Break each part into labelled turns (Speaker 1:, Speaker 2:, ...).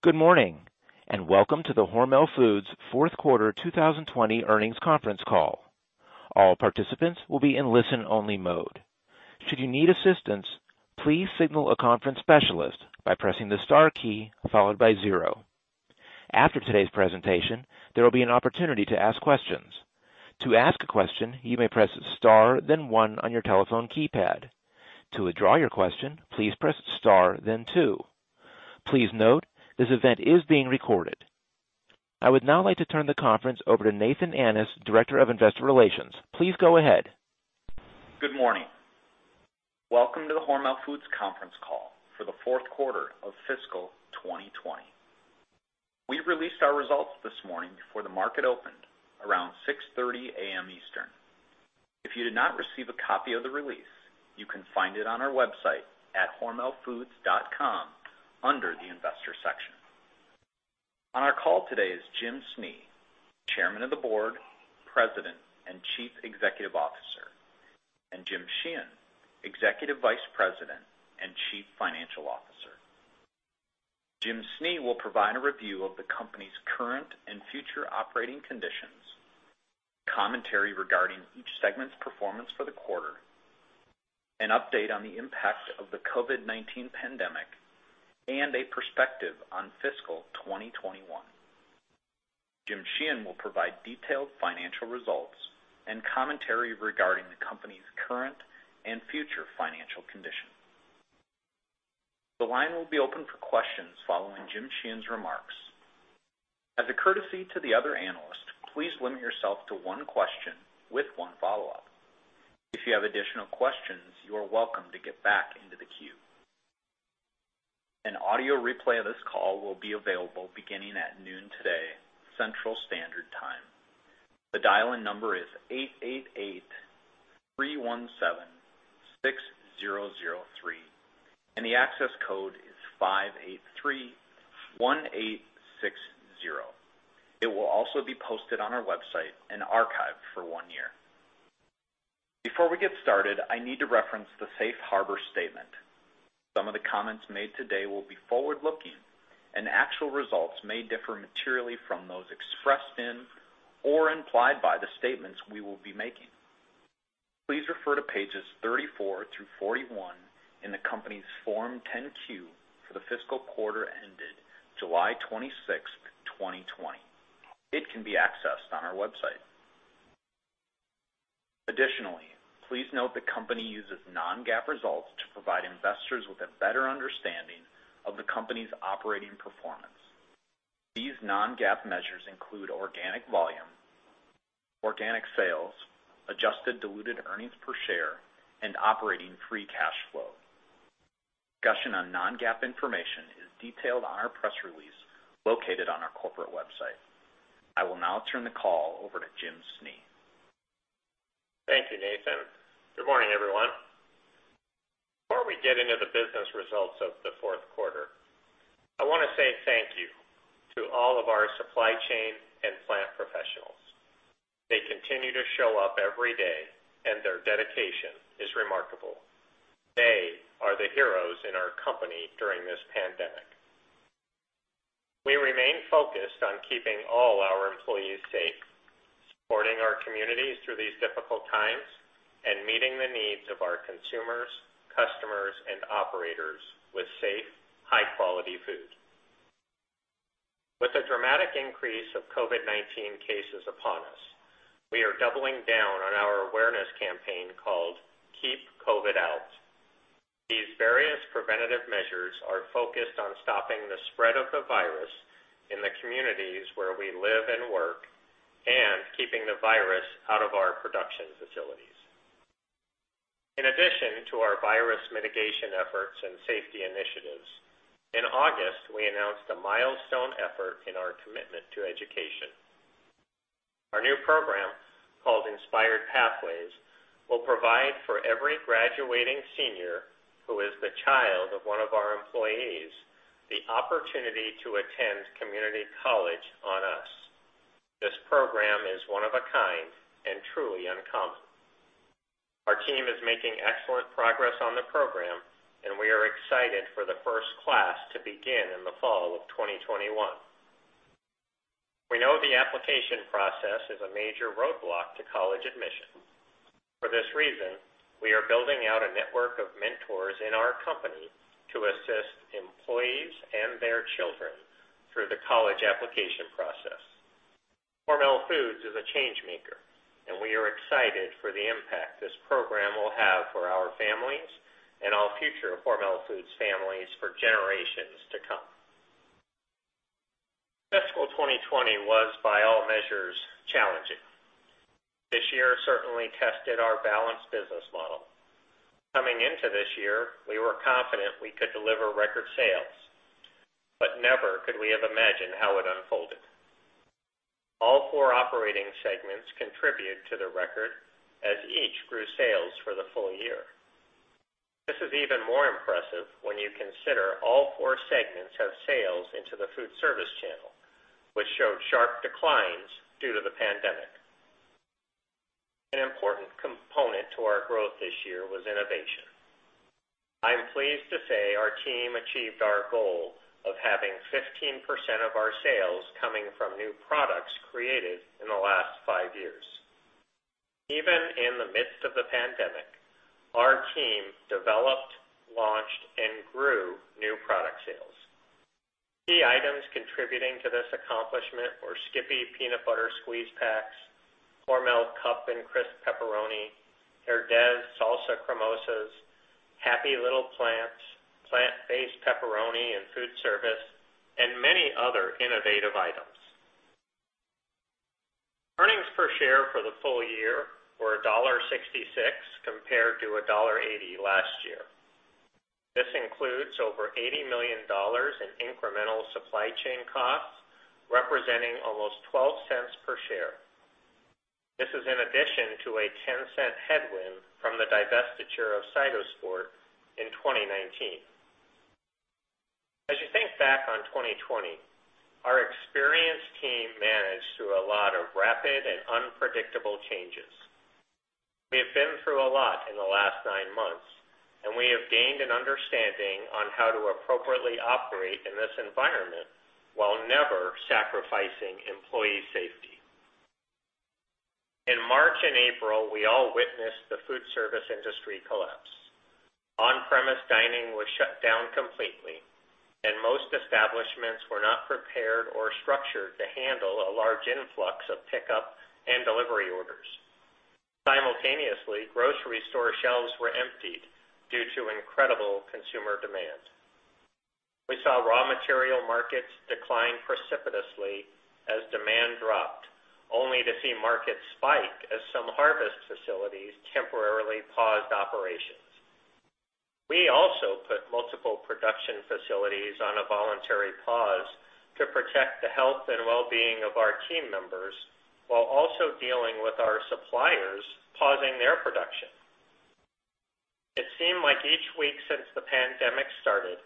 Speaker 1: Good morning, and welcome to the Hormel Foods Fourth Quarter 2020 Earnings Conference Call. All participants will be in listen-only mode. Should you need assistance, please signal a conference specialist by pressing the star key followed by zero. After today's presentation, there will be an opportunity to ask questions. To ask a question, you may press star, then one on your telephone keypad. To withdraw your question, please press star, then two. Please note, this event is being recorded. I would now like to turn the conference over to Nathan Annis, Director of Investor Relations. Please go ahead.
Speaker 2: Good morning. Welcome to the Hormel Foods Conference Call for the fourth quarter of fiscal 2020. We released our results this morning before the market opened, around 6:30 A.M. Eastern. If you did not receive a copy of the release, you can find it on our website at hormelfoods.com under the investor section. On our call today is Jim Snee, Chairman of the Board, President, and Chief Executive Officer, and Jim Sheehan, Executive Vice President and Chief Financial Officer. Jim Snee will provide a review of the company's current and future operating conditions, commentary regarding each segment's performance for the quarter, an update on the impact of the COVID-19 pandemic, and a perspective on fiscal 2021. Jim Sheehan will provide detailed financial results and commentary regarding the company's current and future financial condition. The line will be open for questions following Jim Sheehan's remarks. As a courtesy to the other analysts, please limit yourself to one question with one follow-up. If you have additional questions, you are welcome to get back into the queue. An audio replay of this call will be available beginning at noon today, Central Standard Time. The dial-in number is 888-317-6003, and the access code is 583-1860. It will also be posted on our website and archived for one year. Before we get started, I need to reference the Safe Harbor Statement. Some of the comments made today will be forward-looking, and actual results may differ materially from those expressed in or implied by the statements we will be making. Please refer to pages 34 through 41 in the company's Form 10Q for the fiscal quarter ended July 26th, 2020. It can be accessed on our website. Additionally, please note the company uses non-GAAP results to provide investors with a better understanding of the company's operating performance. These non-GAAP measures include organic volume, organic sales, adjusted diluted earnings per share, and operating free cash flow. Discussion on non-GAAP information is detailed on our press release located on our corporate website. I will now turn the call over to Jim Snee.
Speaker 3: Thank you, Nathan. Good morning, everyone. Before we get into the business results of the fourth quarter, I want to say thank you to all of our supply chain and plant professionals. They continue to show up every day, and their dedication is remarkable. They are the heroes in our company during this pandemic. We remain focused on keeping all our employees safe, supporting our communities through these difficult times, and meeting the needs of our consumers, customers, and operators with safe, high-quality food. With the dramatic increase of COVID-19 cases upon us, we are doubling down on our awareness campaign called Keep COVID Out. These various preventative measures are focused on stopping the spread of the virus in the communities where we live and work and keeping the virus out of our production facilities. In addition to our virus mitigation efforts and safety initiatives, in August, we announced a milestone effort in our commitment to education. Our new program called Inspired Pathways will provide for every graduating senior who is the child of one of our employees the opportunity to attend community college on us. This program is one of a kind and truly uncommon. Our team is making excellent progress on the program, and we are excited for the first class to begin in the fall of 2021. We know the application process is a major roadblock to college admission. For this reason, we are building out a network of mentors in our company to assist employees and their children through the college application process. Hormel Foods is a change maker, and we are excited for the impact this program will have for our families and all future Hormel Foods families for generations to come. Fiscal 2020 was, by all measures, challenging. This year certainly tested our balanced business model. Coming into this year, we were confident we could deliver record sales, but never could we have imagined how it unfolded. All four operating segments contributed to the record as each grew sales for the full year. This is even more impressive when you consider all four segments have sales into the food service channel, which showed sharp declines due to the pandemic. An important component to our growth this year was innovation. I'm pleased to say our team achieved our goal of having 15% of our sales coming from new products created in the last five years. Even in the midst of the pandemic, our team developed, launched, and grew new product sales. Key items contributing to this accomplishment were Skippy peanut butter squeeze packs, Hormel Cup and Crisp pepperoni, Herdez Salsa Cremosas, Happy Little Plants, plant-based pepperoni in Food Service, and many other innovative items. Earnings per share for the full year were $1.66 compared to $1.80 last year. This includes over $80 million in incremental supply chain costs, representing almost $0.12 per share. This is in addition to a $0.10 headwind from the divestiture of CytoSport in 2019. As you think back on 2020, our experienced team managed through a lot of rapid and unpredictable changes. We have been through a lot in the last nine months, and we have gained an understanding on how to appropriately operate in this environment while never sacrificing employee safety. In March and April, we all witnessed the food service industry collapse. On-premise dining was shut down completely, and most establishments were not prepared or structured to handle a large influx of pickup and delivery orders. Simultaneously, grocery store shelves were emptied due to incredible consumer demand. We saw raw material markets decline precipitously as demand dropped, only to see markets spike as some harvest facilities temporarily paused operations. We also put multiple production facilities on a voluntary pause to protect the health and well-being of our team members while also dealing with our suppliers pausing their production. It seemed like each week since the pandemic started,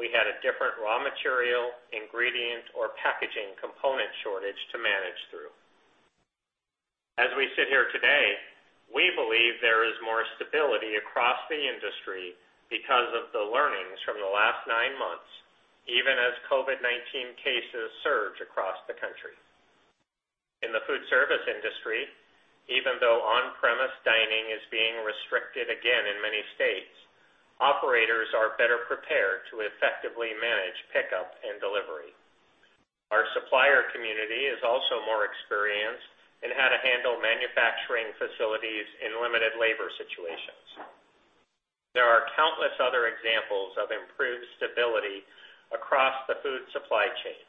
Speaker 3: we had a different raw material, ingredient, or packaging component shortage to manage through. As we sit here today, we believe there is more stability across the industry because of the learnings from the last nine months, even as COVID-19 cases surge across the country. In the food service industry, even though on-premise dining is being restricted again in many states, operators are better prepared to effectively manage pickup and delivery. Our supplier community is also more experienced in how to handle manufacturing facilities in limited labor situations. There are countless other examples of improved stability across the food supply chain,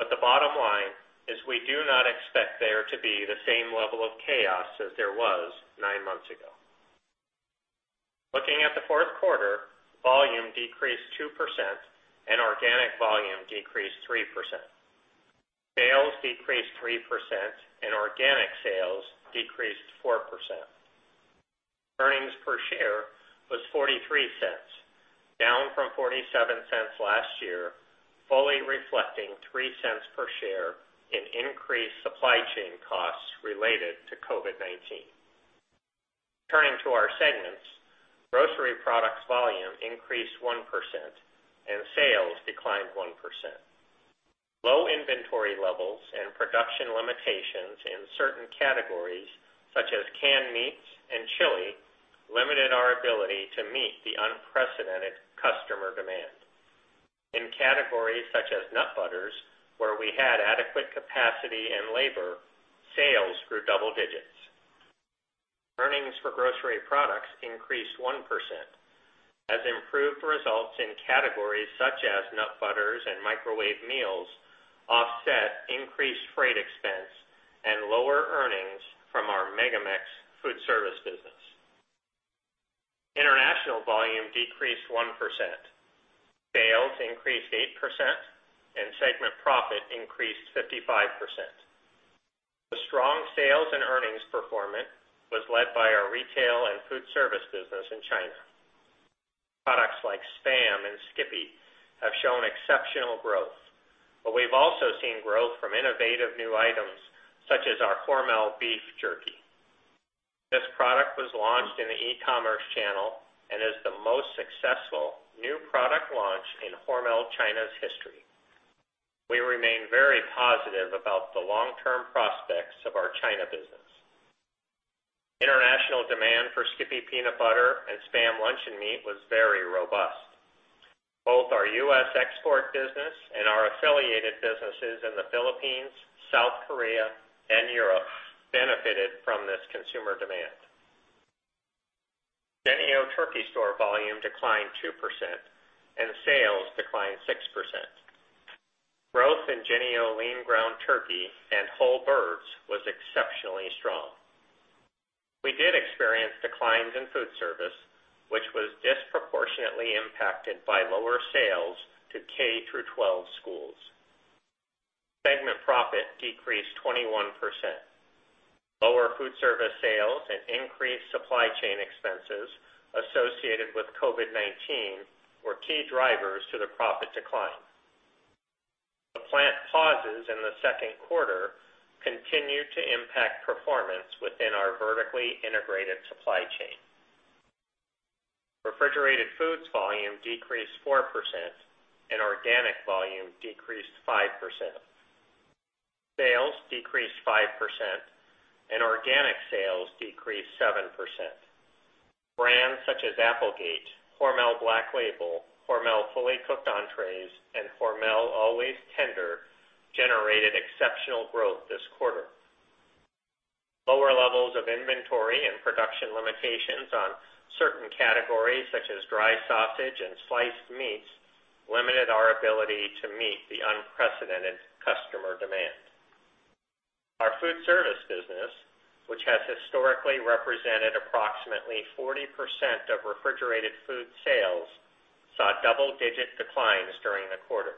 Speaker 3: but the bottom line is we do not expect there to be the same level of chaos as there was nine months ago. Looking at the fourth quarter, volume decreased 2% and organic volume decreased 3%. Sales decreased 3% and organic sales decreased 4%. Earnings per share was $0.43, down from $0.47 last year, fully reflecting $0.03 per share in increased supply chain costs related to COVID-19. Turning to our segments, grocery products volume increased 1% and sales declined 1%. Low inventory levels and production limitations in certain categories, such as canned meats and chili, limited our ability to meet the unprecedented customer demand. In categories such as nut butters, where we had adequate capacity and labor, sales grew double digits. Earnings for grocery products increased 1%, as improved results in categories such as nut butters and microwave meals offset increased freight expense and lower earnings from our MegaMex Foods service business. International volume decreased 1%. Sales increased 8% and segment profit increased 55%. The strong sales and earnings performance was led by our retail and food service business in China. Products like SPAM and Skippy have shown exceptional growth, but we've also seen growth from innovative new items such as our Hormel beef jerky. This product was launched in the e-commerce channel and is the most successful new product launch in Hormel China's history. We remain very positive about the long-term prospects of our China business. International demand for Skippy peanut butter and SPAM luncheon meat was very robust. Both our U.S. export business and our affiliated businesses in the Philippines, South Korea, and Europe benefited from this consumer demand. Jennie-O Turkey Store volume declined 2% and sales declined 6%. Growth in Jennie-O Lean Ground Turkey and Whole Birds was exceptionally strong. We did experience declines in food service, which was disproportionately impacted by lower sales to K-12 schools. Segment profit decreased 21%. Lower food service sales and increased supply chain expenses associated with COVID-19 were key drivers to the profit decline. The plant pauses in the second quarter continued to impact performance within our vertically integrated supply chain. Refrigerated foods volume decreased 4% and organic volume decreased 5%. Sales decreased 5% and organic sales decreased 7%. Brands such as Applegate, Hormel Black Label, Hormel Fully Cooked Entrees, and Hormel Always Tender generated exceptional growth this quarter. Lower levels of inventory and production limitations on certain categories such as dry sausage and sliced meats limited our ability to meet the unprecedented customer demand. Our food service business, which has historically represented approximately 40% of refrigerated food sales, saw double-digit declines during the quarter.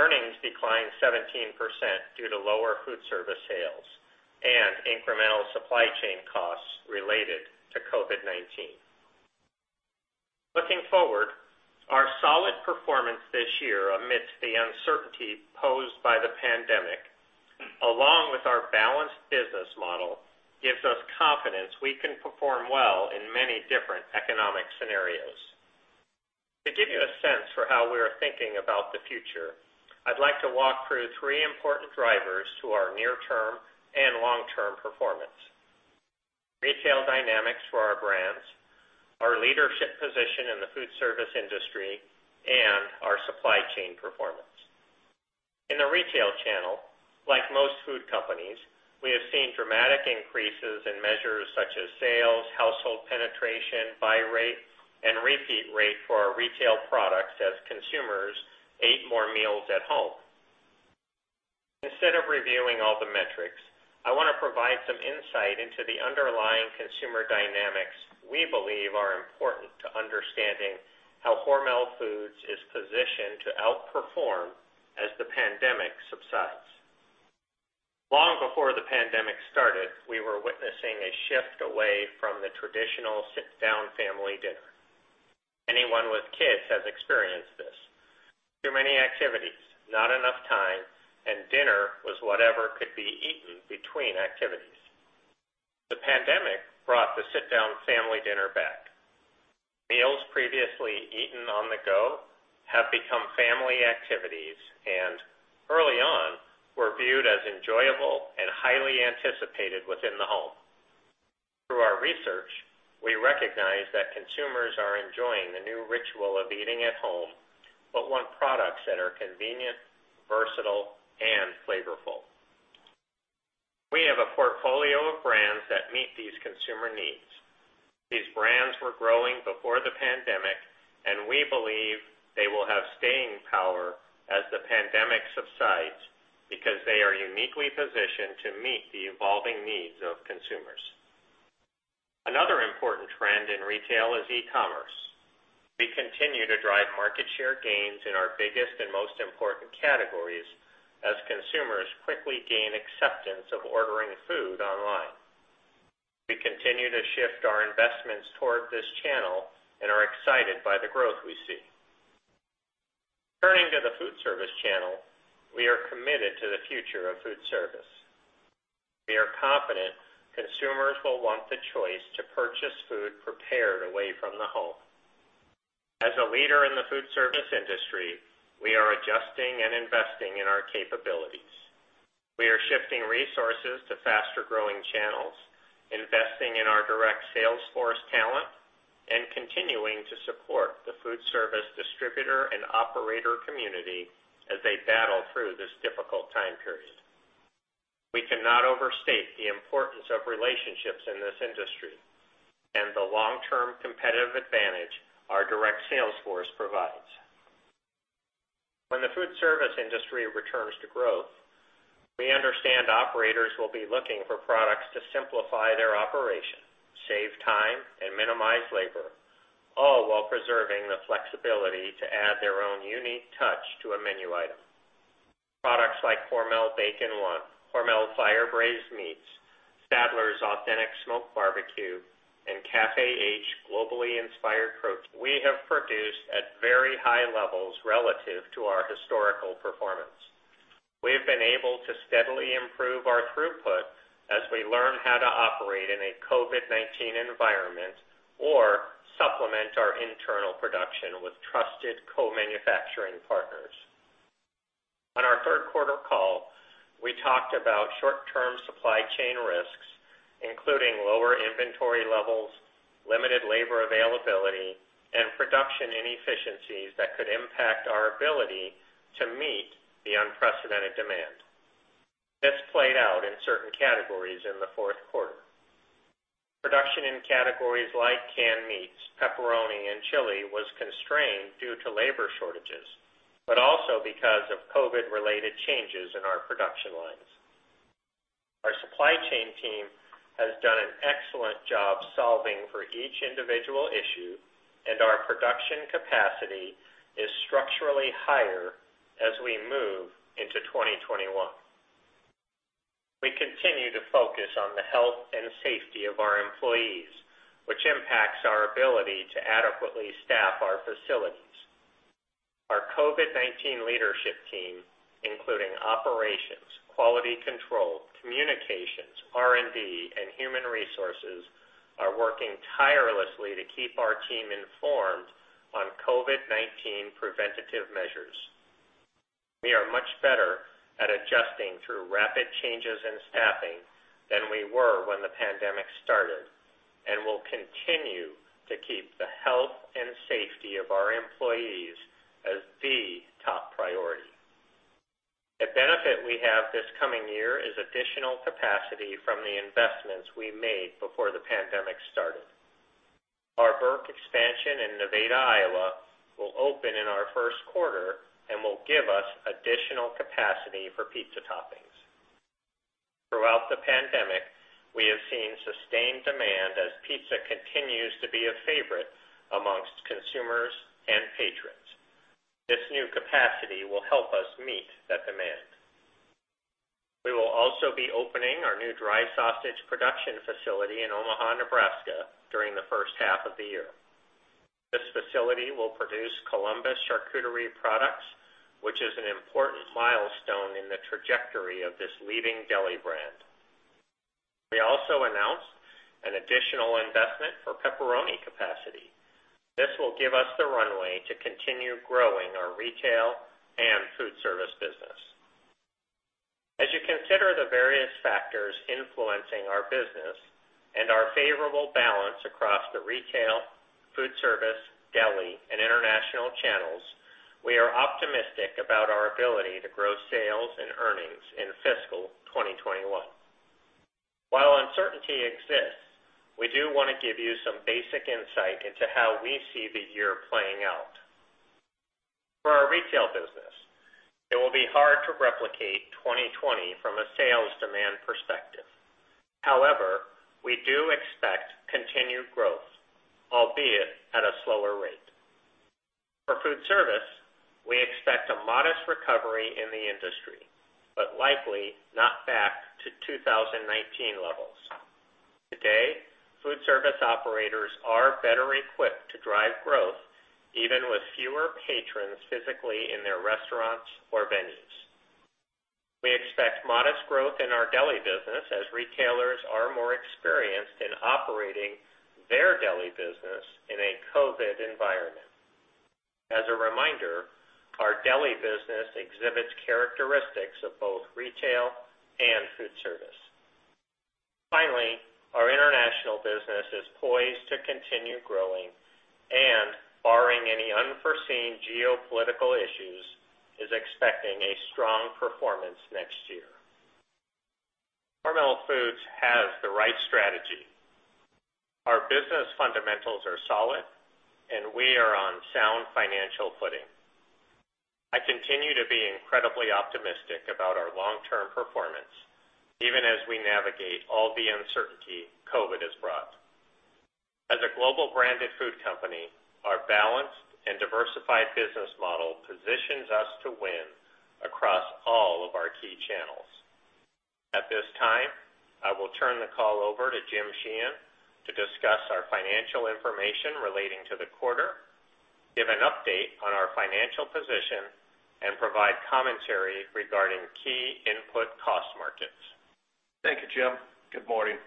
Speaker 3: Earnings declined 17% due to lower food service sales and incremental supply chain costs related to COVID-19. Looking forward, our solid performance this year amidst the uncertainty posed by the pandemic, along with our balanced business model, gives us confidence we can perform well in many different economic scenarios. To give you a sense for how we are thinking about the future, I'd like to walk through three important drivers to our near-term and long-term performance: retail dynamics for our brands, our leadership position in the food service industry, and our supply chain performance. In the retail channel, like most food companies, we have seen dramatic increases in measures such as sales, household penetration, buy rate, and repeat rate for our retail products as consumers ate more meals at home. Instead of reviewing all the metrics, I want to provide some insight into the underlying consumer dynamics we believe are important to understanding how Hormel Foods is positioned to outperform as the pandemic subsides. Long before the pandemic started, we were witnessing a shift away from the traditional sit-down family dinner. Anyone with kids has experienced this: too many activities, not enough time, and dinner was whatever could be eaten between activities. The pandemic brought the sit-down family dinner back. Meals previously eaten on the go have become family activities and, early on, were viewed as enjoyable and highly anticipated within the home. Through our research, we recognize that consumers are enjoying the new ritual of eating at home but want products that are convenient, versatile, and flavorful. We have a portfolio of brands that meet these consumer needs. These brands were growing before the pandemic, and we believe they will have staying power as the pandemic subsides because they are uniquely positioned to meet the evolving needs of consumers. Another important trend in retail is e-commerce. We continue to drive market share gains in our biggest and most important categories as consumers quickly gain acceptance of ordering food online. We continue to shift our investments toward this channel and are excited by the growth we see. Turning to the food service channel, we are committed to the future of food service. We are confident consumers will want the choice to purchase food prepared away from the home. As a leader in the food service industry, we are adjusting and investing in our capabilities. We are shifting resources to faster-growing channels, investing in our direct salesforce talent, and continuing to support the food service distributor and operator community as they battle through this difficult time period. We cannot overstate the importance of relationships in this industry and the long-term competitive advantage our direct salesforce provides. When the food service industry returns to growth, we understand operators will be looking for products to simplify their operation, save time, and minimize labor, all while preserving the flexibility to add their own unique touch to a menu item. Products like Hormel Bacon One, Hormel Fire Braised Meats, Sadler's Authentic Smoked Barbecue, and Cafe H Globally Inspired Protein we have produced at very high levels relative to our historical performance. We have been able to steadily improve our throughput as we learn how to operate in a COVID-19 environment or supplement our internal production with trusted co-manufacturing partners. On our third quarter call, we talked about short-term supply chain risks, including lower inventory levels, limited labor availability, and production inefficiencies that could impact our ability to meet the unprecedented demand. This played out in certain categories in the fourth quarter. Production in categories like canned meats, pepperoni, and chili was constrained due to labor shortages but also because of COVID-related changes in our production lines. Our supply chain team has done an excellent job solving for each individual issue, and our production capacity is structurally higher as we move into 2021. We continue to focus on the health and safety of our employees, which impacts our ability to adequately staff our facilities. Our COVID-19 leadership team, including operations, quality control, communications, R&D, and human resources, are working tirelessly to keep our team informed on COVID-19 preventative measures. We are much better at adjusting through rapid changes in staffing than we were when the pandemic started and will continue to keep the health and safety of our employees as the top priority. A benefit we have this coming year is additional capacity from the investments we made before the pandemic started. Our Burke expansion in Nevada, Iowa, will open in our first quarter and will give us additional capacity for pizza toppings. Throughout the pandemic, we have seen sustained demand as pizza continues to be a favorite amongst consumers and patrons. This new capacity will help us meet that demand. We will also be opening our new dry sausage production facility in Omaha, Nebraska, during the first half of the year. This facility will produce Columbus charcuterie products, which is an important milestone in the trajectory of this leading deli brand. We also announced an additional investment for pepperoni capacity. This will give us the runway to continue growing our retail and food service business. As you consider the various factors influencing our business and our favorable balance across the retail, food service, deli, and international channels, we are optimistic about our ability to grow sales and earnings in fiscal 2021. While uncertainty exists, we do want to give you some basic insight into how we see the year playing out. For our retail business, it will be hard to replicate 2020 from a sales demand perspective. However, we do expect continued growth, albeit at a slower rate. For food service, we expect a modest recovery in the industry but likely not back to 2019 levels. Today, food service operators are better equipped to drive growth even with fewer patrons physically in their restaurants or venues. We expect modest growth in our deli business as retailers are more experienced in operating their deli business in a COVID environment. As a reminder, our deli business exhibits characteristics of both retail and food service. Finally, our international business is poised to continue growing and, barring any unforeseen geopolitical issues, is expecting a strong performance next year. Hormel Foods has the right strategy. Our business fundamentals are solid, and we are on sound financial footing. I continue to be incredibly optimistic about our long-term performance, even as we navigate all the uncertainty COVID has brought. As a global branded food company, our balanced and diversified business model positions us to win across all of our key channels. At this time, I will turn the call over to Jim Sheehan to discuss our financial information relating to the quarter, give an update on our financial position, and provide commentary regarding key input cost markets.
Speaker 4: Thank you, Jim. Good morning.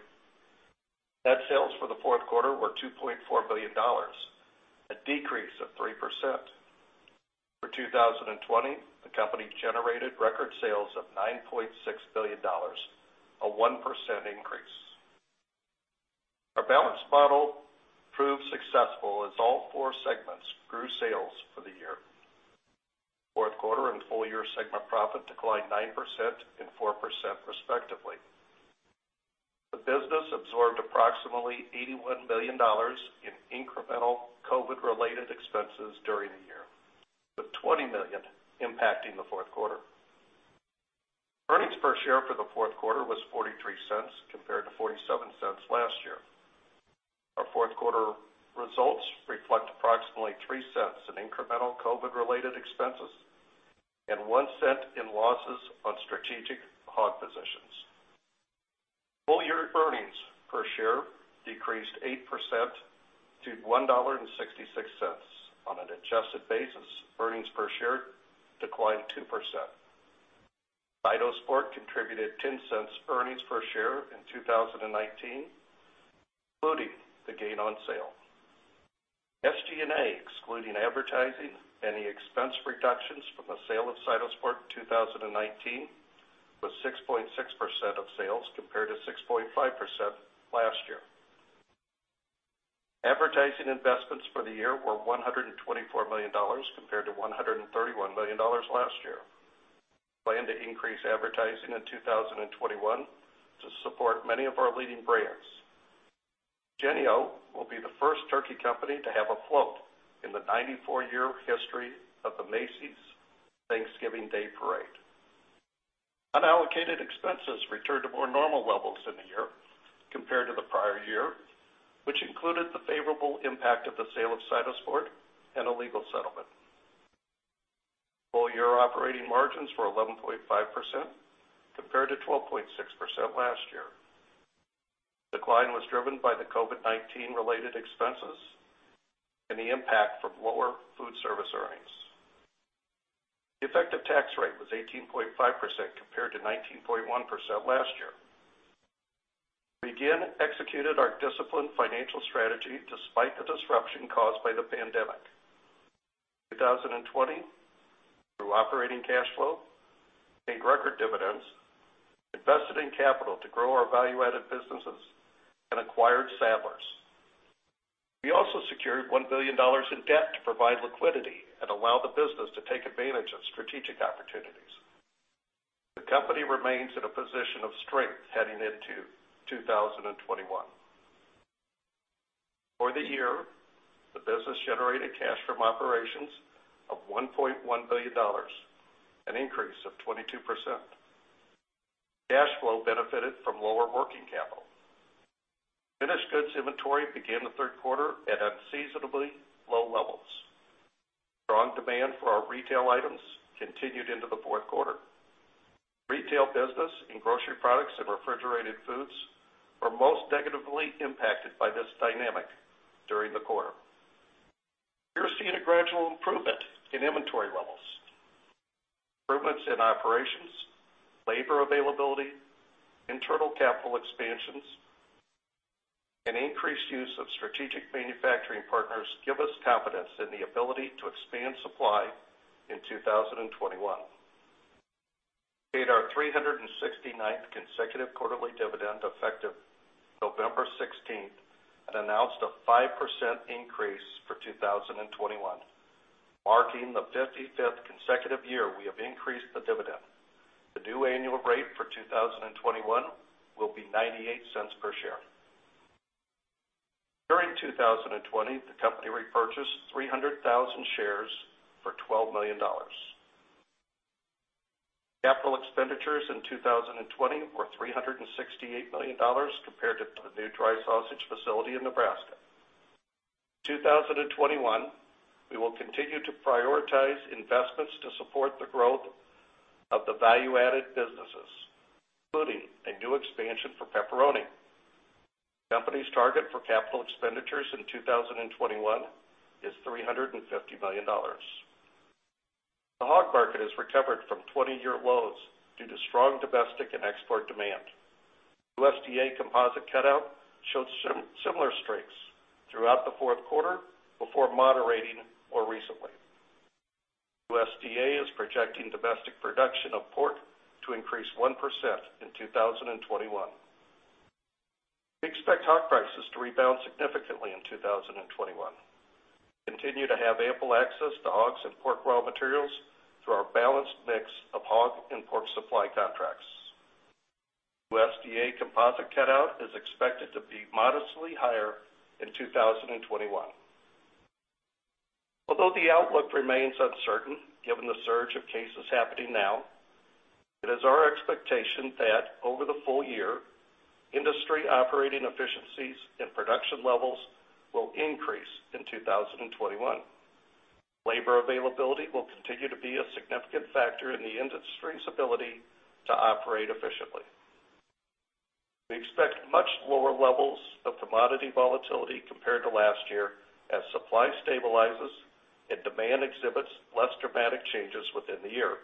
Speaker 4: Net sales for the fourth quarter were $2.4 billion, a decrease of 3%. For 2020, the company generated record sales of $9.6 billion, a 1% increase. Our balanced model proved successful as all four segments grew sales for the year. Fourth quarter and full-year segment profit declined 9% and 4% respectively. The business absorbed approximately $81 million in incremental COVID-related expenses during the year, with $20 million impacting the fourth quarter. Earnings per share for the fourth quarter was $0.43 compared to $0.47 last year. Our fourth quarter results reflect approximately $0.03 in incremental COVID-related expenses and $0.01 in losses on strategic hog positions. Full-year earnings per share decreased 8% to $1.66. On an adjusted basis, earnings per share declined 2%. CytoSport contributed $0.10 earnings per share in 2019, including the gain on sale. SG&A, excluding advertising, and the expense reductions from the sale of CytoSport in 2019 was 6.6% of sales compared to 6.5% last year. Advertising investments for the year were $124 million compared to $131 million last year. We plan to increase advertising in 2021 to support many of our leading brands. Jennie-O will be the first turkey company to have a float in the 94-year history of the Macy's Thanksgiving Day parade. Unallocated expenses returned to more normal levels in the year compared to the prior year, which included the favorable impact of the sale of CytoSport and a legal settlement. Full-year operating margins were 11.5% compared to 12.6% last year. The decline was driven by the COVID-19-related expenses and the impact from lower food service earnings. The effective tax rate was 18.5% compared to 19.1% last year. We again executed our disciplined financial strategy despite the disruption caused by the pandemic. In 2020, through operating cash flow, we made record dividends, invested in capital to grow our value-added businesses, and acquired Sadler's. We also secured $1 billion in debt to provide liquidity and allow the business to take advantage of strategic opportunities. The company remains in a position of strength heading into 2021. For the year, the business generated cash from operations of $1.1 billion, an increase of 22%. Cash flow benefited from lower working capital. Finished goods inventory began the third quarter at unseasonably low levels. Strong demand for our retail items continued into the fourth quarter. Retail business in grocery products and refrigerated foods were most negatively impacted by this dynamic during the quarter. We are seeing a gradual improvement in inventory levels. Improvements in operations, labor availability, internal capital expansions, and increased use of strategic manufacturing partners give us confidence in the ability to expand supply in 2021. We paid our 369th consecutive quarterly dividend effective November 16 and announced a 5% increase for 2021, marking the 55th consecutive year we have increased the dividend. The new annual rate for 2021 will be $0.98 per share. During 2020, the company repurchased 300,000 shares for $12 million. Capital expenditures in 2020 were $368 million compared to the new dry sausage facility in Nebraska. In 2021, we will continue to prioritize investments to support the growth of the value-added businesses, including a new expansion for pepperoni. The company's target for capital expenditures in 2021 is $350 million. The hog market has recovered from 20-year lows due to strong domestic and export demand. USDA composite cutout showed similar strengths throughout the fourth quarter before moderating more recently. USDA is projecting domestic production of pork to increase 1% in 2021. We expect hog prices to rebound significantly in 2021. We continue to have ample access to hogs and pork raw materials through our balanced mix of hog and pork supply contracts. USDA composite cutout is expected to be modestly higher in 2021. Although the outlook remains uncertain given the surge of cases happening now, it is our expectation that over the full year, industry operating efficiencies and production levels will increase in 2021. Labor availability will continue to be a significant factor in the industry's ability to operate efficiently. We expect much lower levels of commodity volatility compared to last year as supply stabilizes and demand exhibits less dramatic changes within the year.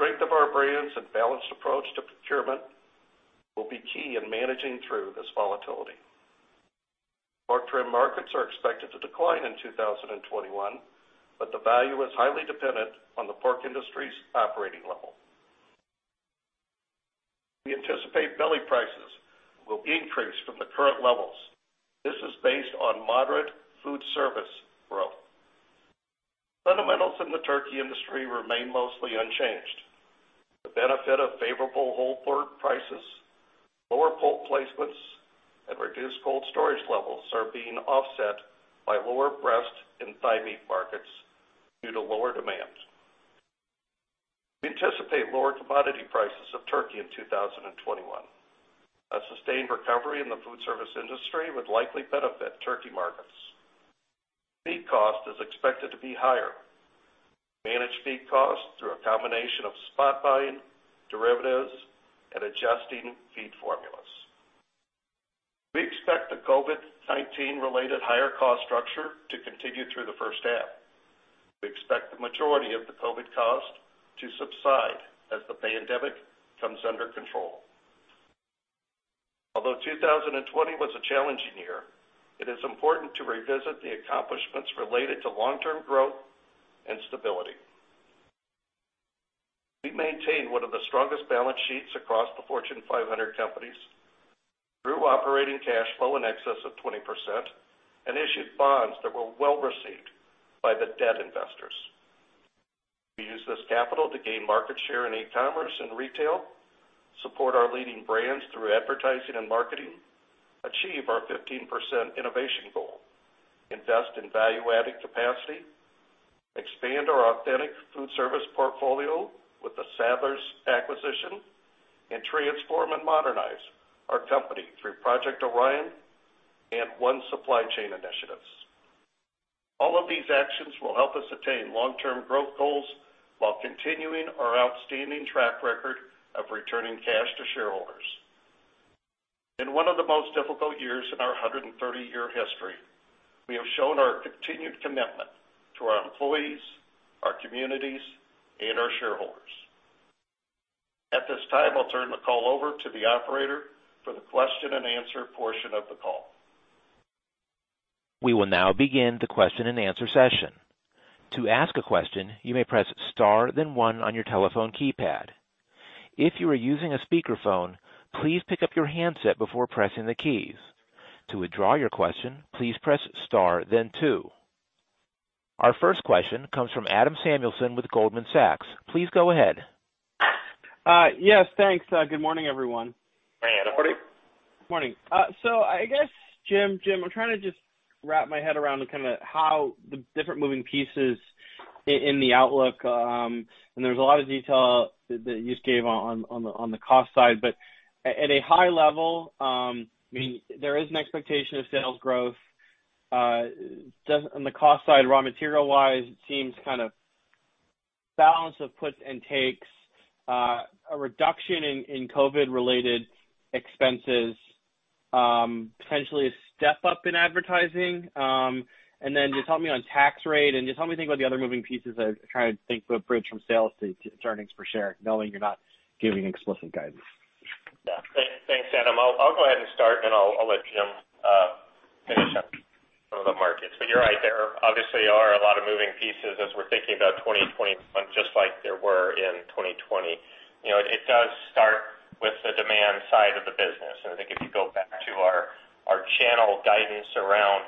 Speaker 4: Strength of our brands and balanced approach to procurement will be key in managing through this volatility. Pork trim markets are expected to decline in 2021, but the value is highly dependent on the pork industry's operating level. We anticipate deli prices will increase from the current levels. This is based on moderate food service growth. Fundamentals in the turkey industry remain mostly unchanged. The benefit of favorable whole pork prices, lower pulp placements, and reduced cold storage levels are being offset by lower breast and thigh meat markets due to lower demand. We anticipate lower commodity prices of turkey in 2021. A sustained recovery in the food service industry would likely benefit turkey markets. Feed cost is expected to be higher. We manage feed cost through a combination of spot buying, derivatives, and adjusting feed formulas. We expect the COVID-19-related higher cost structure to continue through the first half. We expect the majority of the COVID cost to subside as the pandemic comes under control. Although 2020 was a challenging year, it is important to revisit the accomplishments related to long-term growth and stability. We maintain one of the strongest balance sheets across the Fortune 500 companies. We grew operating cash flow in excess of 20% and issued bonds that were well received by the debt investors. We use this capital to gain market share in e-commerce and retail, support our leading brands through advertising and marketing, achieve our 15% innovation goal, invest in value-added capacity, expand our authentic food service portfolio with the Sadler's acquisition, and transform and modernize our company through Project Orion and One Supply Chain Initiatives. All of these actions will help us attain long-term growth goals while continuing our outstanding track record of returning cash to shareholders. In one of the most difficult years in our 130-year history, we have shown our continued commitment to our employees, our communities, and our shareholders. At this time, I'll turn the call over to the operator for the question-and-answer portion of the call.
Speaker 1: We will now begin the question-and-answer session. To ask a question, you may press Star then 1 on your telephone keypad. If you are using a speakerphone, please pick up your handset before pressing the keys. To withdraw your question, please press Star then 2. Our first question comes from Adam Samuelson with Goldman Sachs. Please go ahead.
Speaker 5: Yes, thanks. Good morning, everyone. Morning, Adam. Good morning. I guess, Jim, I'm trying to just wrap my head around kind of how the different moving pieces in the outlook. There is a lot of detail that you just gave on the cost side. At a high level, there is an expectation of sales growth. On the cost side, raw material-wise, it seems kind of balance of puts and takes, a reduction in COVID-related expenses, potentially a step up in advertising. Just help me on tax rate. Just help me think about the other moving pieces. I'm trying to think of a bridge from sales to earnings per share, knowing you're not giving explicit guidance.
Speaker 3: Thanks, Adam. I'll go ahead and start, and I'll let Jim finish up some of the markets. You're right. There obviously are a lot of moving pieces as we're thinking about 2021, just like there were in 2020. It does start with the demand side of the business. I think if you go back to our channel guidance around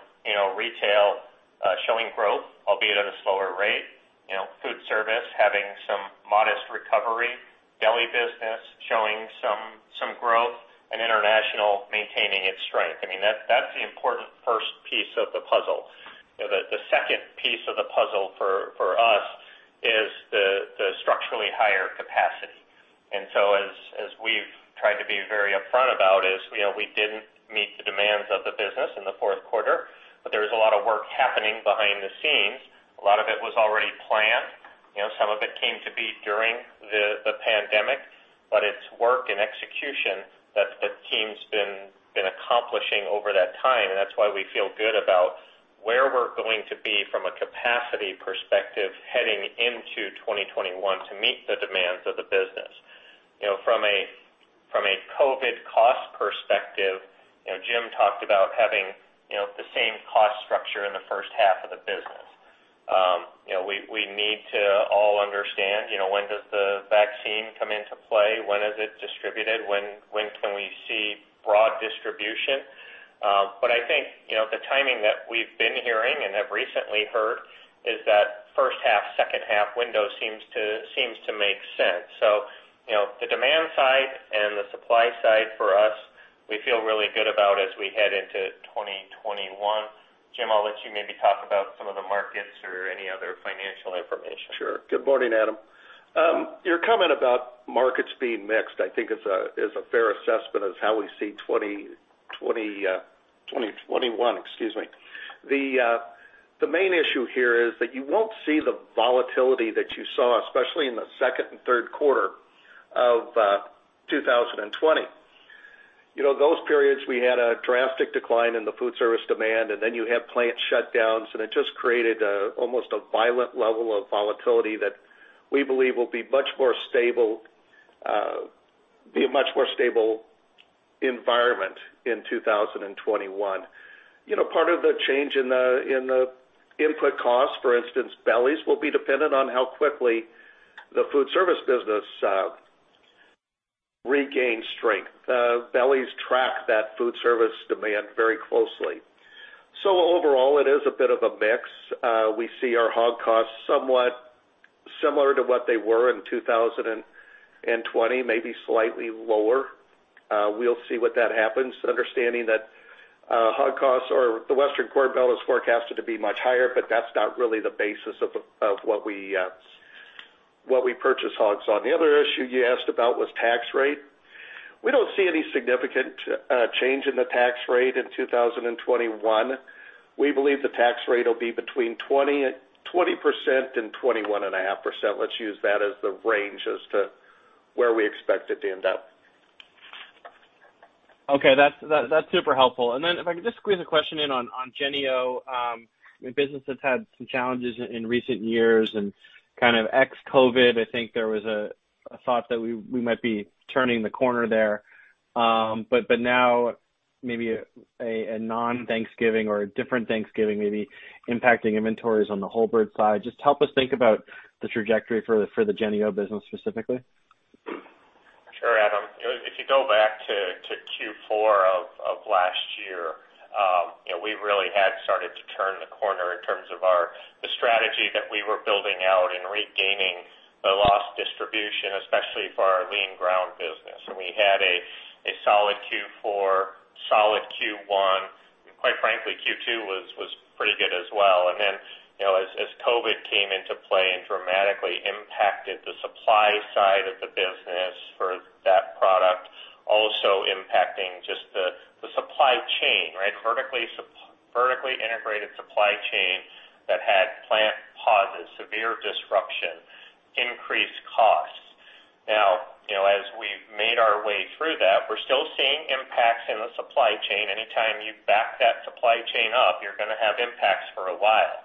Speaker 3: retail showing growth, albeit at a slower rate, food service having some modest recovery, deli business showing some growth, and international maintaining its strength. I mean, that's the important first piece of the puzzle. The second piece of the puzzle for us is the structurally higher capacity. As we've tried to be very upfront about, we didn't meet the demands of the business in the fourth quarter, but there was a lot of work happening behind the scenes. A lot of it was already planned. Some of it came to be during the pandemic. It is work and execution that the team's been accomplishing over that time. That is why we feel good about where we're going to be from a capacity perspective heading into 2021 to meet the demands of the business. From a COVID cost perspective, Jim talked about having the same cost structure in the first half of the business. We need to all understand when does the vaccine come into play, when is it distributed, when can we see broad distribution. I think the timing that we've been hearing and have recently heard is that first half, second half window seems to make sense. The demand side and the supply side for us, we feel really good about as we head into 2021. Jim, I'll let you maybe talk about some of the markets or any other financial information.
Speaker 4: Sure. Good morning, Adam. Your comment about markets being mixed, I think, is a fair assessment of how we see 2021. Excuse me. The main issue here is that you won't see the volatility that you saw, especially in the second and third quarter of 2020. Those periods we had a drastic decline in the food service demand, and then you had plant shutdowns. It just created almost a violent level of volatility that we believe will be a much more stable environment in 2021. Part of the change in the input cost, for instance, bellies will be dependent on how quickly the food service business regains strength. Bellies track that food service demand very closely. Overall, it is a bit of a mix. We see our hog costs somewhat similar to what they were in 2020, maybe slightly lower. We'll see what that happens, understanding that hog costs or the Western Corn Belt is forecasted to be much higher, but that's not really the basis of what we purchase hogs on. The other issue you asked about was tax rate. We don't see any significant change in the tax rate in 2021. We believe the tax rate will be between 20%-21.5%. Let's use that as the range as to where we expect it to end up.
Speaker 5: Okay. That's super helpful. If I could just squeeze a question in on Jennie-O. I mean, business has had some challenges in recent years. Kind of ex-COVID, I think there was a thought that we might be turning the corner there. Now, maybe a non-Thanksgiving or a different Thanksgiving may be impacting inventories on the whole bird side. Just help us think about the trajectory for the Jennie-O business specifically.
Speaker 4: Sure, Adam. If you go back to Q4 of last year, we really had started to turn the corner in terms of our strategy that we were building out and regaining the lost distribution, especially for our lean ground business. We had a solid Q4, solid Q1. Quite frankly, Q2 was pretty good as well. As COVID came into play and dramatically impacted the supply side of the business for that product, also impacting just the supply chain, right? Vertically integrated supply chain that had plant pauses, severe disruption, increased costs. Now, as we've made our way through that, we're still seeing impacts in the supply chain. Anytime you back that supply chain up, you're going to have impacts for a while.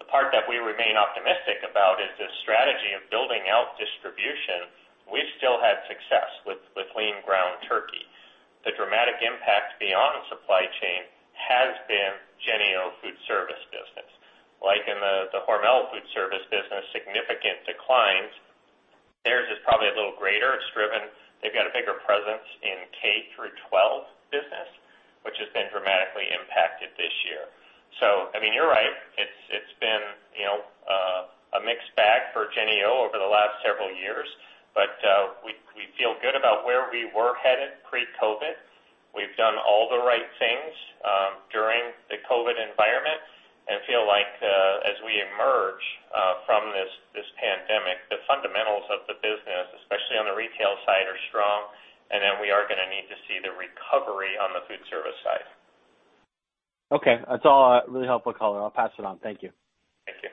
Speaker 4: The part that we remain optimistic about is this strategy of building out distribution. We've still had success with lean ground turkey. The dramatic impact beyond supply chain has been Jennie-O Foods service business. Like in the Hormel Foods service business, significant declines. Theirs is probably a little greater. It's driven they've got a bigger presence in K-12 business, which has been dramatically impacted this year. I mean, you're right. It's been a mixed bag for Jennie-O over the last several years. We feel good about where we were headed pre-COVID. We've done all the right things during the COVID environment. I feel like as we emerge from this pandemic, the fundamentals of the business, especially on the retail side, are strong. We are going to need to see the recovery on the food service side.
Speaker 5: Okay. That's all really helpful, [calling]. I'll pass it on. Thank you.
Speaker 4: Thank you.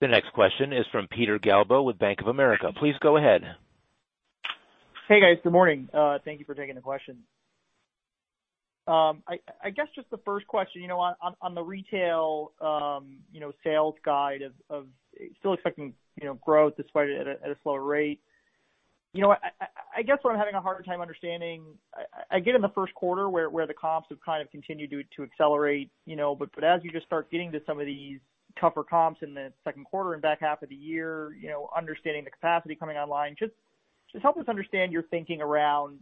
Speaker 1: The next question is from Peter Galbo with Bank of America. Please go ahead.
Speaker 6: Hey, guys. Good morning. Thank you for taking the question. I guess just the first question, on the retail sales guide of still expecting growth despite it at a slower rate. I guess what I'm having a hard time understanding, I get in the first quarter where the comps have kind of continued to accelerate. As you just start getting to some of these tougher comps in the second quarter and back half of the year, understanding the capacity coming online, just help us understand your thinking around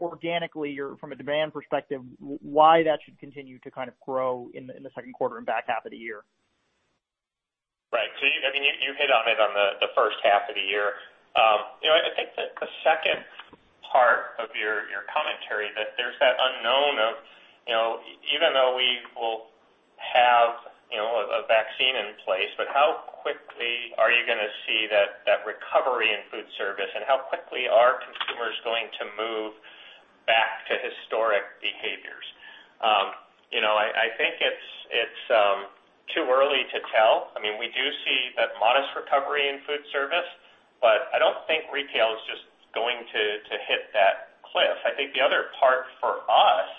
Speaker 6: organically or from a demand perspective, why that should continue to kind of grow in the second quarter and back half of the year.
Speaker 4: Right. I mean, you hit on it on the first half of the year. I think that the second part of your commentary, that there's that unknown of even though we will have a vaccine in place, but how quickly are you going to see that recovery in food service? How quickly are consumers going to move back to historic behaviors? I think it's too early to tell. I mean, we do see that modest recovery in food service. I don't think retail is just going to hit that cliff. I think the other part for us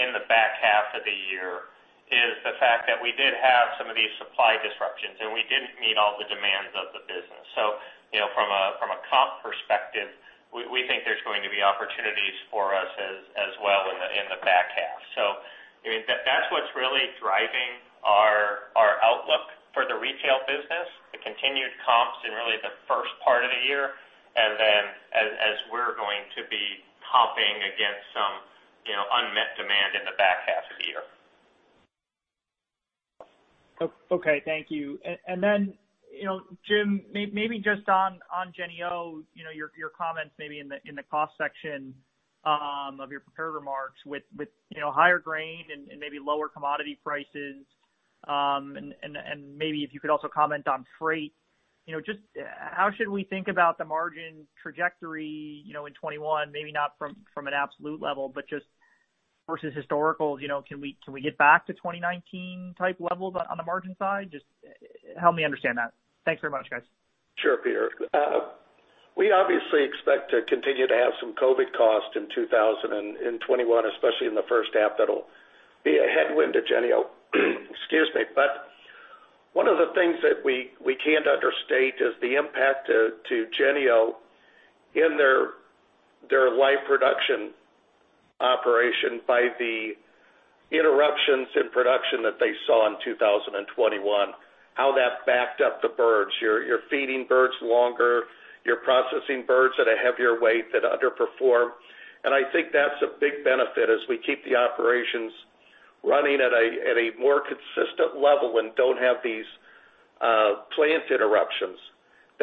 Speaker 4: in the back half of the year is the fact that we did have some of these supply disruptions, and we didn't meet all the demands of the business. From a comp perspective, we think there's going to be opportunities for us as well in the back half. I mean, that's what's really driving our outlook for the retail business, the continued comps in really the first part of the year, and then as we're going to be hopping against some unmet demand in the back half of the year.
Speaker 6: Okay. Thank you. Jim, maybe just on Jennie-O, your comments maybe in the cost section of your prepared remarks with higher grain and maybe lower commodity prices. If you could also comment on freight. How should we think about the margin trajectory in 2021, maybe not from an absolute level, but just versus historical? Can we get back to 2019 type levels on the margin side? Help me understand that. Thanks very much, guys.
Speaker 3: Sure, Peter. We obviously expect to continue to have some COVID cost in 2021, especially in the first half that'll be a headwind to Jennie-O. Excuse me. One of the things that we can't understate is the impact to Jennie-O in their live production operation by the interruptions in production that they saw in 2021, how that backed up the birds. You're feeding birds longer. You're processing birds at a heavier weight that underperform. I think that's a big benefit as we keep the operations running at a more consistent level and do not have these plant interruptions.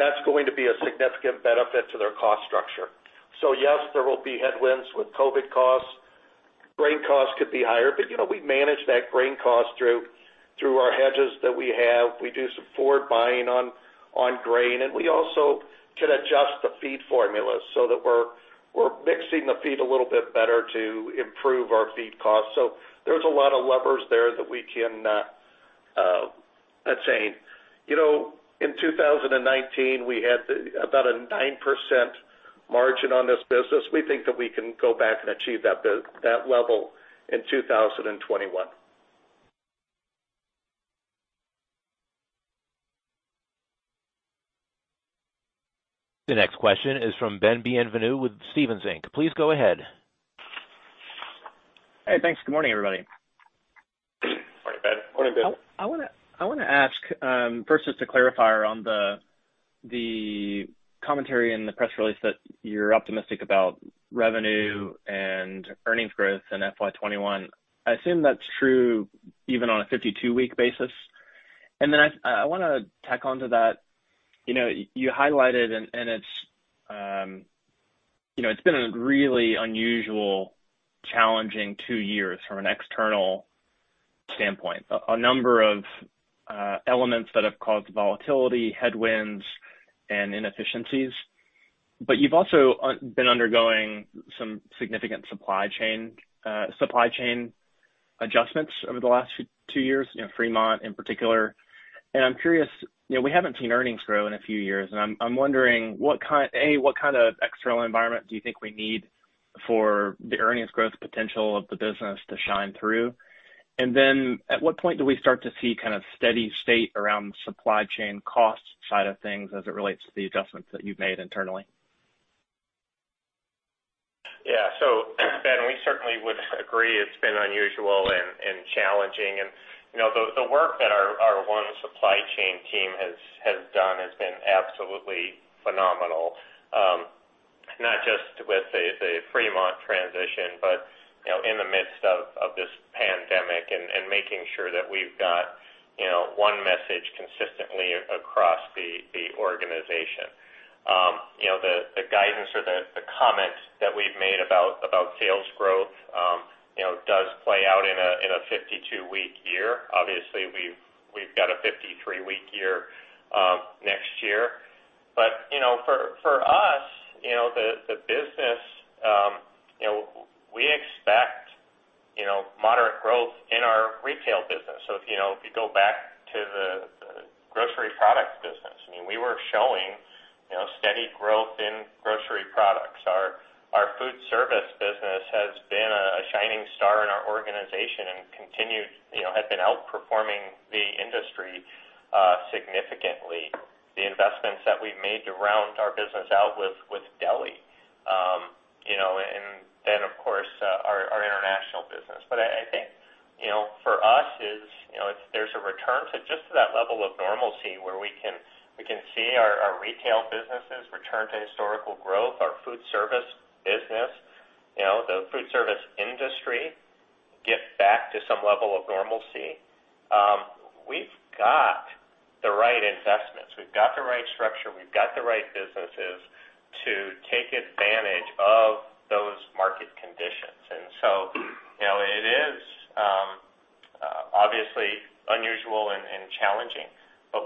Speaker 3: That's going to be a significant benefit to their cost structure. Yes, there will be headwinds with COVID costs. Grain costs could be higher. We manage that grain cost through our hedges that we have. We do some forward buying on grain. We also can adjust the feed formula so that we're mixing the feed a little bit better to improve our feed costs. There are a lot of levers there that we can that's saying in 2019, we had about a 9% margin on this business. We think that we can go back and achieve that level in 2021.
Speaker 1: The next question is from Ben Bienvenu with Stephens Inc. Please go ahead.
Speaker 7: Hey, thanks. Good morning, everybody.
Speaker 3: Morning, Ben.
Speaker 4: Morning, Ben.
Speaker 7: I want to ask first just to clarify on the commentary in the press release that you're optimistic about revenue and earnings growth in FY2021. I assume that's true even on a 52-week basis. I want to tack on to that. You highlighted, and it's been a really unusual, challenging two years from an external standpoint. A number of elements that have caused volatility, headwinds, and inefficiencies. You've also been undergoing some significant supply chain adjustments over the last two years, Fremont in particular. I'm curious, we haven't seen earnings grow in a few years. I'm wondering, A, what kind of external environment do you think we need for the earnings growth potential of the business to shine through? At what point do we start to see kind of steady state around the supply chain cost side of things as it relates to the adjustments that you've made internally?
Speaker 3: Yeah. Ben, we certainly would agree it's been unusual and challenging. The work that our one supply chain team has done has been absolutely phenomenal, not just with the Fremont transition, but in the midst of this pandemic and making sure that we've got one message consistently across the organization. The guidance or the comment that we've made about sales growth does play out in a 52-week year. Obviously, we've got a 53-week year next year. For us, the business, we expect moderate growth in our retail business. If you go back to the grocery products business, I mean, we were showing steady growth in grocery products. Our food service business has been a shining star in our organization and continued had been outperforming the industry significantly. The investments that we've made to round our business out with deli. And then, of course, our international business. I think for us, if there's a return to just that level of normalcy where we can see our retail businesses return to historical growth, our food service business, the food service industry get back to some level of normalcy, we've got the right investments. We've got the right structure. We've got the right businesses to take advantage of those market conditions. It is obviously unusual and challenging.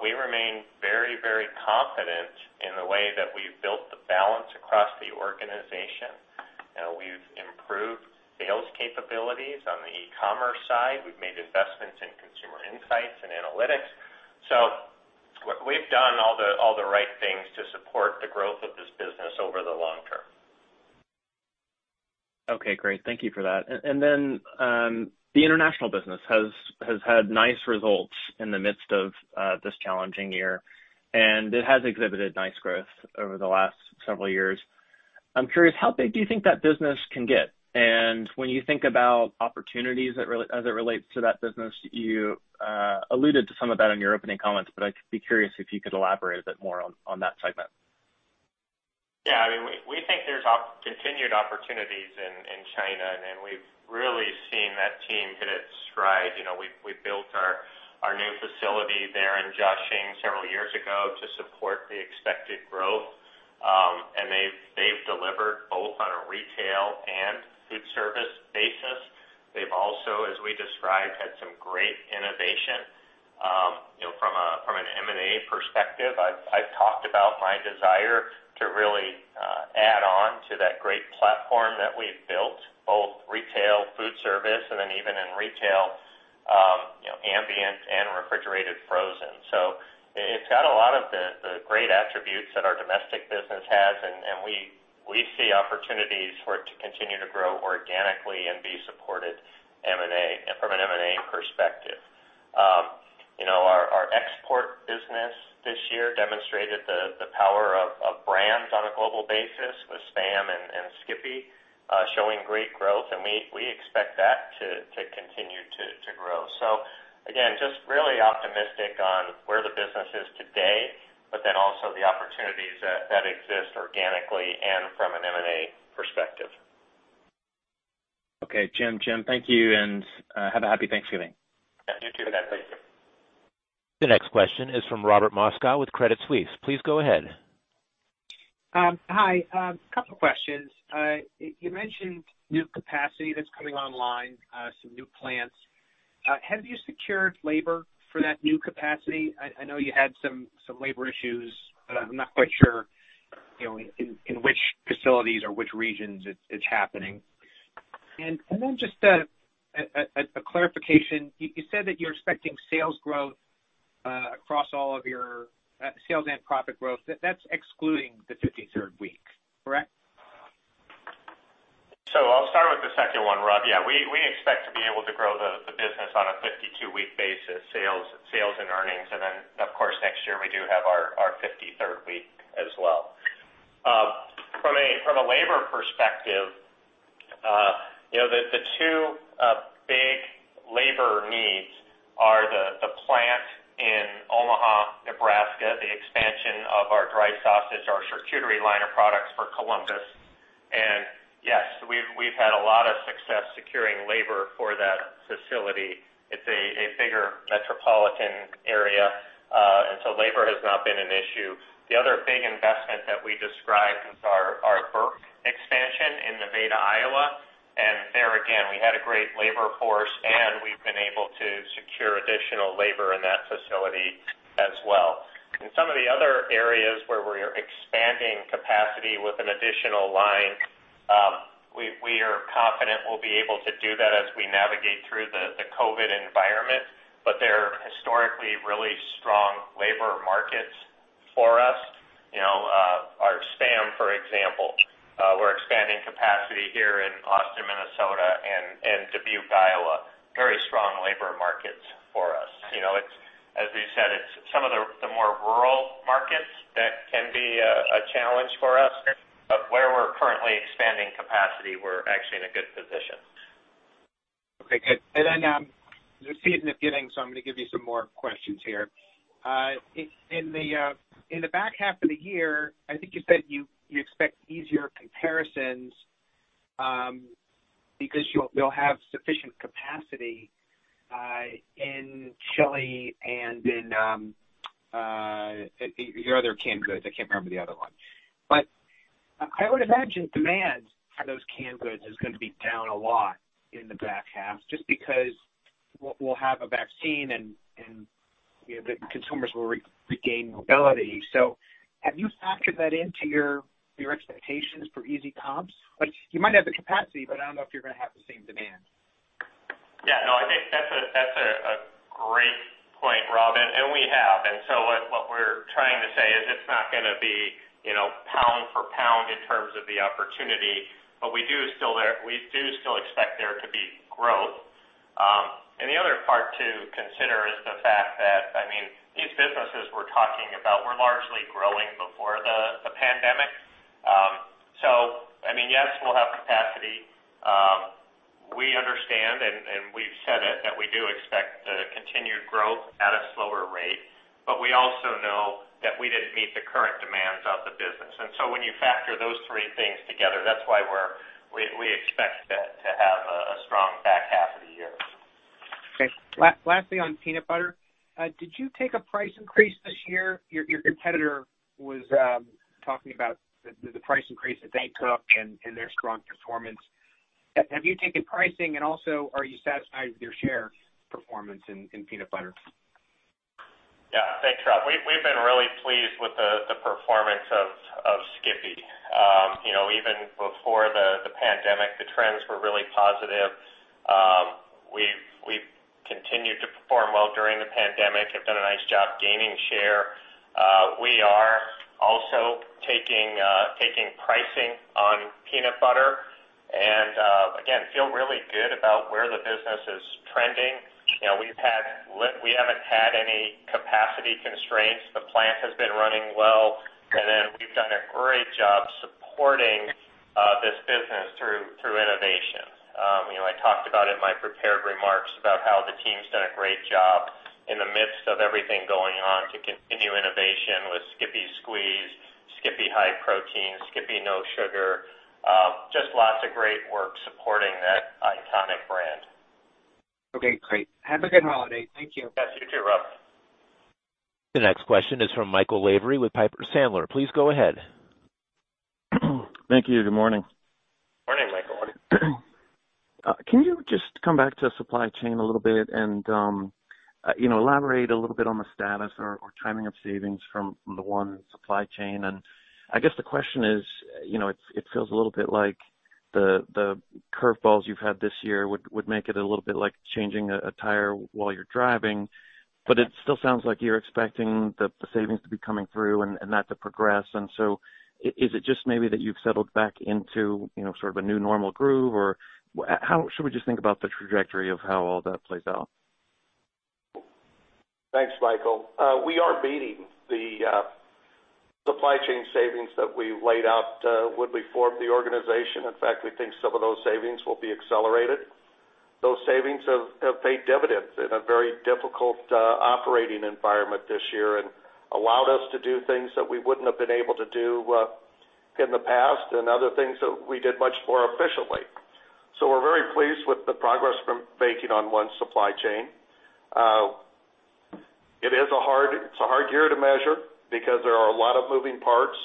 Speaker 3: We remain very, very confident in the way that we've built the balance across the organization. We've improved sales capabilities on the e-commerce side. We've made investments in consumer insights and analytics. We have done all the right things to support the growth of this business over the long term.
Speaker 7: Okay. Great. Thank you for that. The international business has had nice results in the midst of this challenging year. It has exhibited nice growth over the last several years. I'm curious, how big do you think that business can get? When you think about opportunities as it relates to that business, you alluded to some of that in your opening comments. I'd be curious if you could elaborate a bit more on that segment.
Speaker 3: Yeah. I mean, we think there's continued opportunities in China. We have really seen that team hit its stride. We built our new facility there in Jiaxing several years ago to support the expected growth. They have delivered both on a retail and food service basis. They've also, as we described, had some great innovation. From an M&A perspective, I've talked about my desire to really add on to that great platform that we've built, both retail, food service, and then even in retail, ambient and refrigerated frozen. It has a lot of the great attributes that our domestic business has. We see opportunities for it to continue to grow organically and be supported from an M&A perspective. Our export business this year demonstrated the power of brands on a global basis with SPAM and Skippy showing great growth. We expect that to continue to grow. I am just really optimistic on where the business is today, but then also the opportunities that exist organically and from an M&A perspective.
Speaker 7: Okay. Jim, thank you. And have a happy Thanksgiving.
Speaker 3: Yeah. You too, Ben. Thank you.
Speaker 1: The next question is from Robert Moskow with Credit Suisse. Please go ahead.
Speaker 8: Hi. A couple of questions. You mentioned new capacity that's coming online, some new plants. Have you secured labor for that new capacity? I know you had some labor issues. I'm not quite sure in which facilities or which regions it's happening. Just a clarification, you said that you're expecting sales growth across all of your sales and profit growth. That's excluding the 53rd week, correct?
Speaker 4: I'll start with the second one, Rob. Yeah. We expect to be able to grow the business on a 52-week basis, sales and earnings. Of course, next year, we do have our 53rd week as well. From a labor perspective, the two big labor needs are the plant in Omaha, Nebraska, the expansion of our dry sausage, our charcuterie line of products for Columbus. Yes, we've had a lot of success securing labor for that facility. It's a bigger metropolitan area, so labor has not been an issue. The other big investment that we described is our Burke expansion in Nevada, Iowa. There again, we had a great labor force, and we've been able to secure additional labor in that facility as well. In some of the other areas where we're expanding capacity with an additional line, we are confident we'll be able to do that as we navigate through the COVID environment. They're historically really strong labor markets for us. Our Spam, for example, we're expanding capacity here in Austin, Minnesota, and Dubuque, Iowa. Very strong labor markets for us. As we've said, it's some of the more rural markets that can be a challenge for us. Where we're currently expanding capacity, we're actually in a good position.
Speaker 8: Okay. Good. Then you're seeing the beginning, so I'm going to give you some more questions here. In the back half of the year, I think you said you expect easier comparisons because you'll have sufficient capacity in Chili and in your other canned goods. I can't remember the other one. I would imagine demand for those canned goods is going to be down a lot in the back half just because we'll have a vaccine and consumers will regain mobility. Have you factored that into your expectations for easy comps? You might have the capacity, but I don't know if you're going to have the same demand.
Speaker 3: Yeah. No, I think that's a great point, Rob. We have. What we're trying to say is it's not going to be pound for pound in terms of the opportunity. We do still expect there to be growth. The other part to consider is the fact that, I mean, these businesses we are talking about were largely growing before the pandemic. I mean, yes, we will have capacity. We understand, and we have said it, that we do expect the continued growth at a slower rate. We also know that we did not meet the current demands of the business. When you factor those three things together, that is why we expect to have a strong back half of the year.
Speaker 8: Okay. Lastly, on peanut butter, did you take a price increase this year? Your competitor was talking about the price increase that they took and their strong performance. Have you taken pricing? Also, are you satisfied with your share performance in peanut butter?
Speaker 3: Yeah. Thanks, Rob. We have been really pleased with the performance of Skippy. Even before the pandemic, the trends were really positive. We've continued to perform well during the pandemic. Have done a nice job gaining share. We are also taking pricing on peanut butter. Again, feel really good about where the business is trending. We haven't had any capacity constraints. The plant has been running well. We have done a great job supporting this business through innovation. I talked about it in my prepared remarks about how the team's done a great job in the midst of everything going on to continue innovation with Skippy qqueeze, Skippy high protein, Skippy no sugar. Just lots of great work supporting that iconic brand.
Speaker 8: Okay. Great. Have a good holiday. Thank you.
Speaker 3: Yes. You too, Rob.
Speaker 1: The next question is from Michael Lavery with Piper Sandler. Please go ahead.
Speaker 9: Thank you. Good morning.
Speaker 3: Morning, Michael.
Speaker 9: Can you just come back to supply chain a little bit and elaborate a little bit on the status or timing of savings from the one supply chain? I guess the question is, it feels a little bit like the curveballs you've had this year would make it a little bit like changing a tire while you're driving. It still sounds like you're expecting the savings to be coming through and that to progress. Is it just maybe that you've settled back into sort of a new normal groove? How should we just think about the trajectory of how all that plays out?
Speaker 4: Thanks, Michael. We are beating the supply chain savings that we laid out when we formed the organization. In fact, we think some of those savings will be accelerated. Those savings have paid dividends in a very difficult operating environment this year and allowed us to do things that we would not have been able to do in the past and other things that we did much more efficiently. We are very pleased with the progress we are making on one supply chain. It is a hard year to measure because there are a lot of moving parts.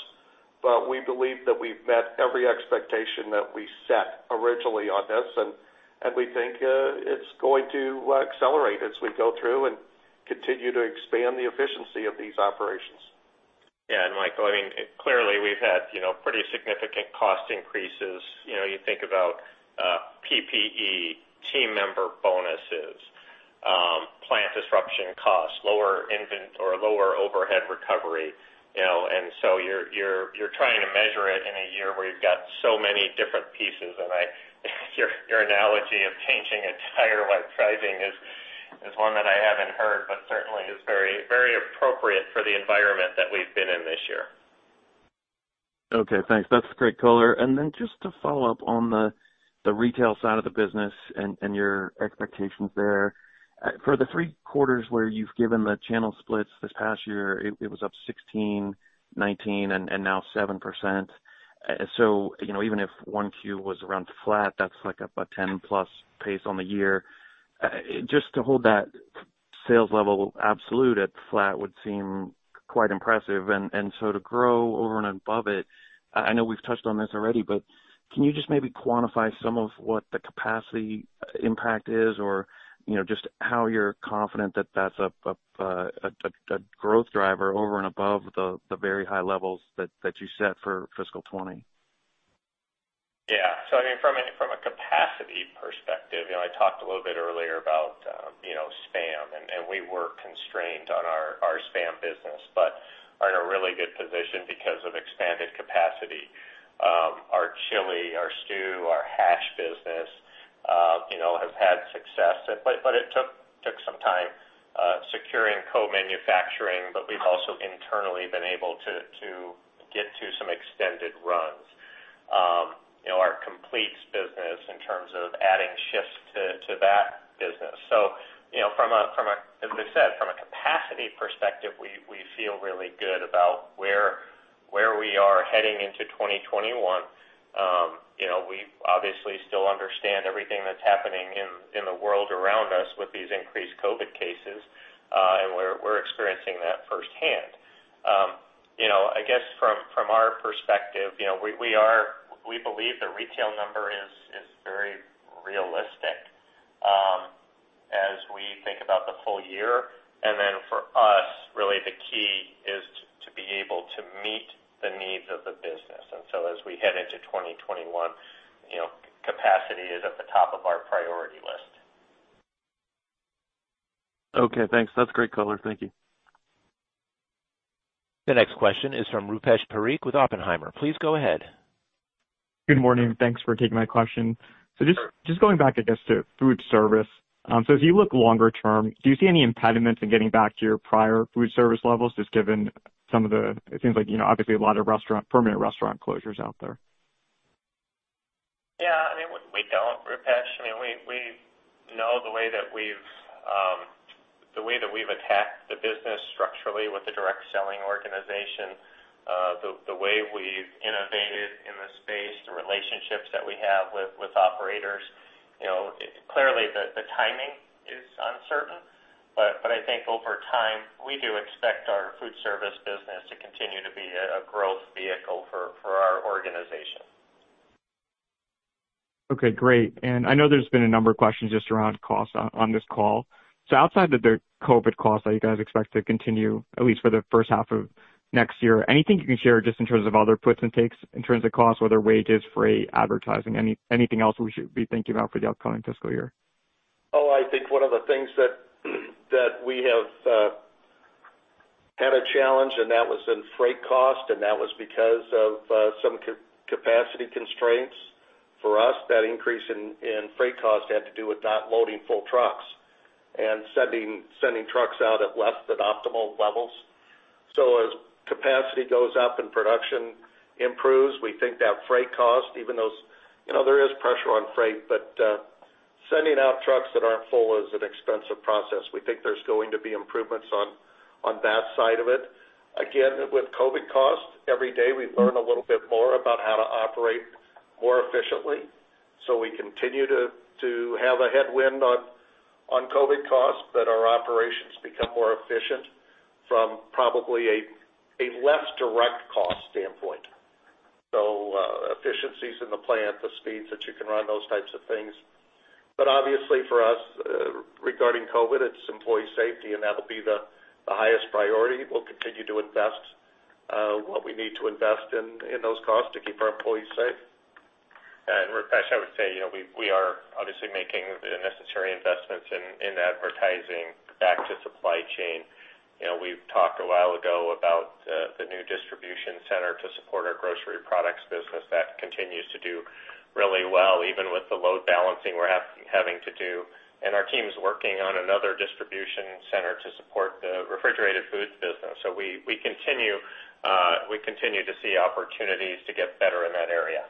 Speaker 4: We believe that we have met every expectation that we set originally on this. We think it is going to accelerate as we go through and continue to expand the efficiency of these operations.
Speaker 3: Yeah. Michael, I mean, clearly, we have had pretty significant cost increases. You think about PPE, team member bonuses, plant disruption costs, lower overhead recovery. You are trying to measure it in a year where you have so many different pieces. Your analogy of changing a tire like pricing is one that I haven't heard, but certainly is very appropriate for the environment that we've been in this year.
Speaker 9: Okay. Thanks. That's great color. Just to follow up on the retail side of the business and your expectations there. For the three quarters where you've given the channel splits this past year, it was up 16%, 19%, and now 7%. Even if one Q was around flat, that's like a 10+ pace on the year. Just to hold that sales level absolute at flat would seem quite impressive. To grow over and above it, I know we've touched on this already, but can you just maybe quantify some of what the capacity impact is or just how you're confident that that's a growth driver over and above the very high levels that you set for fiscal 2020?
Speaker 3: Yeah. I mean, from a capacity perspective, I talked a little bit earlier about SPAM. We were constrained on our SPAM business, but are in a really good position because of expanded capacity. Our chili, our stew, our hash business have had success. It took some time securing co-manufacturing. We've also internally been able to get to some extended runs. Our completes business in terms of adding shifts to that business. As I said, from a capacity perspective, we feel really good about where we are heading into 2021. We obviously still understand everything that's happening in the world around us with these increased COVID cases. We're experiencing that firsthand. I guess from our perspective, we believe the retail number is very realistic as we think about the full year. For us, really, the key is to be able to meet the needs of the business. As we head into 2021, capacity is at the top of our priority list.
Speaker 9: Okay. Thanks. That's great color. Thank you.
Speaker 1: The next question is from Rupesh Parikh with Oppenheimer. Please go ahead.
Speaker 10: Good morning. Thanks for taking my question. Just going back, I guess, to food service. As you look longer term, do you see any impediments in getting back to your prior food service levels just given some of the, it seems like, obviously, a lot of permanent restaurant closures out there.
Speaker 3: Yeah. I mean, we do not, Rupesh. I mean, we know the way that we have, the way that we have attacked the business structurally with the direct selling organization, the way we have innovated in the space, the relationships that we have with operators. Clearly, the timing is uncertain. I think over time, we do expect our food service business to continue to be a growth vehicle for our organization.
Speaker 10: Okay. Great. I know there has been a number of questions just around cost on this call. Outside of the COVID cost that you guys expect to continue, at least for the first half of next year, anything you can share just in terms of other puts and takes in terms of cost, whether wages, freight, advertising, anything else we should be thinking about for the upcoming fiscal year?
Speaker 4: Oh, I think one of the things that we have had a challenge, and that was in freight cost. That was because of some capacity constraints for us. That increase in freight cost had to do with not loading full trucks and sending trucks out at less than optimal levels. As capacity goes up and production improves, we think that freight cost, even though there is pressure on freight, but sending out trucks that aren't full is an expensive process. We think there's going to be improvements on that side of it. Again, with COVID cost, every day we learn a little bit more about how to operate more efficiently. We continue to have a headwind on COVID cost, but our operations become more efficient from probably a less direct cost standpoint. Efficiencies in the plant, the speeds that you can run, those types of things. Obviously, for us, regarding COVID, it's employee safety, and that'll be the highest priority. We'll continue to invest what we need to invest in those costs to keep our employees safe.
Speaker 3: Rupesh, I would say we are obviously making the necessary investments in advertising back to supply chain. We've talked a while ago about the new distribution center to support our grocery products business that continues to do really well, even with the load balancing we're having to do. Our team's working on another distribution center to support the refrigerated foods business. We continue to see opportunities to get better in that area.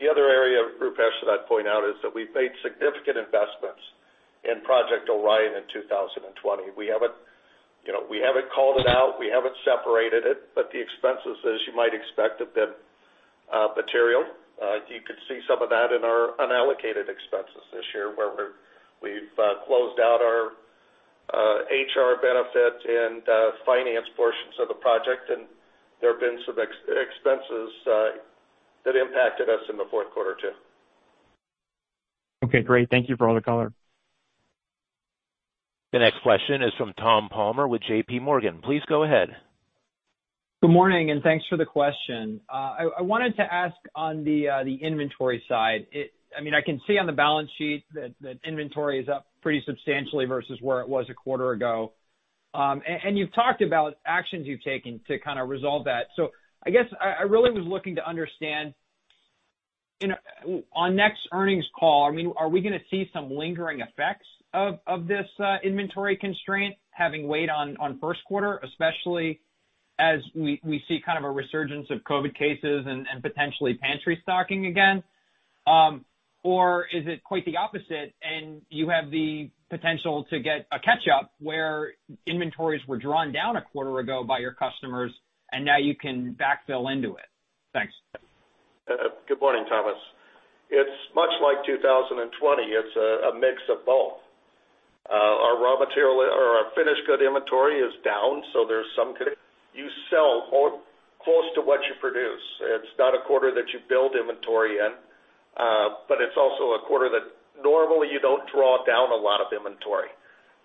Speaker 4: The other area, Rupesh, that I'd point out is that we've made significant investments in Project Orion in 2020. We haven't called it out. We haven't separated it. The expenses, as you might expect, have been material. You could see some of that in our unallocated expenses this year where we've closed out our HR benefit and finance portions of the project. There have been some expenses that impacted us in the fourth quarter too.
Speaker 10: Okay. Great. Thank you for all the color. The next question is from Tom Palmer with JP Morgan. Please go ahead.
Speaker 11: Good morning. Thanks for the question. I wanted to ask on the inventory side. I mean, I can see on the balance sheet that inventory is up pretty substantially versus where it was a quarter ago. You've talked about actions you've taken to kind of resolve that. I guess I really was looking to understand on next earnings call, I mean, are we going to see some lingering effects of this inventory constraint having weighed on first quarter, especially as we see kind of a resurgence of COVID cases and potentially pantry stocking again? Is it quite the opposite and you have the potential to get a catch-up where inventories were drawn down a quarter ago by your customers, and now you can backfill into it? Thanks.
Speaker 4: Good morning, Thomas. It's much like 2020. It's a mix of both. Our raw material or our finished good inventory is down. There's some. You sell close to what you produce. It's not a quarter that you build inventory in. It's also a quarter that normally you don't draw down a lot of inventory.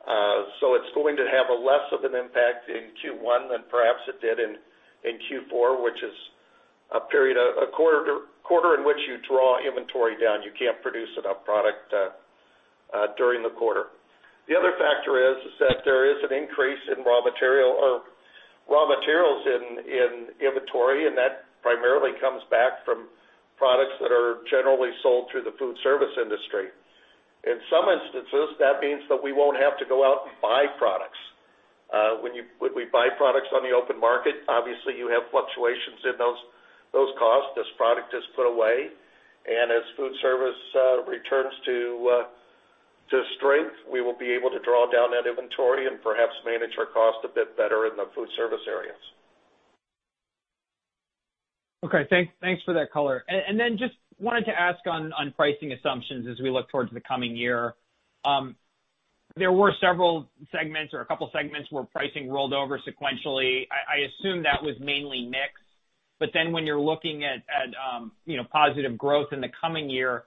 Speaker 4: It is going to have less of an impact in Q1 than perhaps it did in Q4, which is a quarter in which you draw inventory down. You cannot produce enough product during the quarter. The other factor is that there is an increase in raw materials in inventory. That primarily comes back from products that are generally sold through the food service industry. In some instances, that means that we will not have to go out and buy products. When we buy products on the open market, obviously, you have fluctuations in those costs as product is put away. As food service returns to strength, we will be able to draw down that inventory and perhaps manage our cost a bit better in the food service areas.
Speaker 11: Okay. Thanks for that color. I just wanted to ask on pricing assumptions as we look towards the coming year. There were several segments or a couple of segments where pricing rolled over sequentially. I assume that was mainly mixed. When you're looking at positive growth in the coming year,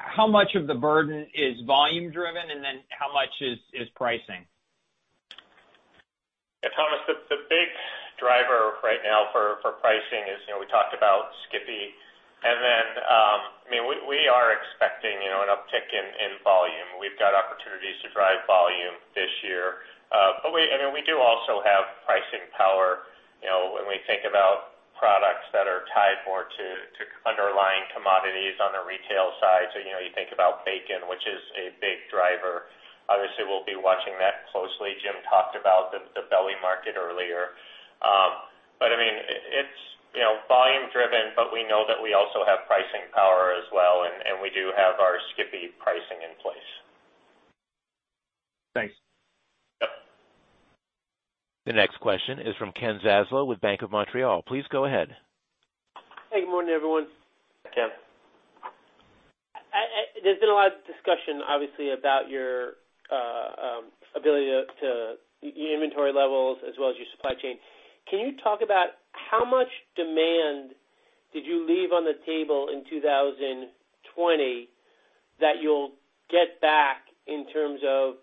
Speaker 11: how much of the burden is volume-driven and how much is pricing?
Speaker 3: Yeah. Thomas, the big driver right now for pricing is we talked about Skippy. I mean, we are expecting an uptick in volume. We've got opportunities to drive volume this year. I mean, we do also have pricing power when we think about products that are tied more to underlying commodities on the retail side. You think about bacon, which is a big driver. Obviously, we'll be watching that closely. Jim talked about the belly market earlier. I mean, it's volume-driven, but we know that we also have pricing power as well. We do have our Skippy pricing in place.
Speaker 1: Thanks. Yep. The next question is from Ken Zaslow with Bank of Montreal. Please go ahead.
Speaker 12: Hey. Good morning, everyone.
Speaker 4: Hi, Ken.
Speaker 12: There has been a lot of discussion, obviously, about your ability to your inventory levels as well as your supply chain. Can you talk about how much demand did you leave on the table in 2020 that you will get back in terms of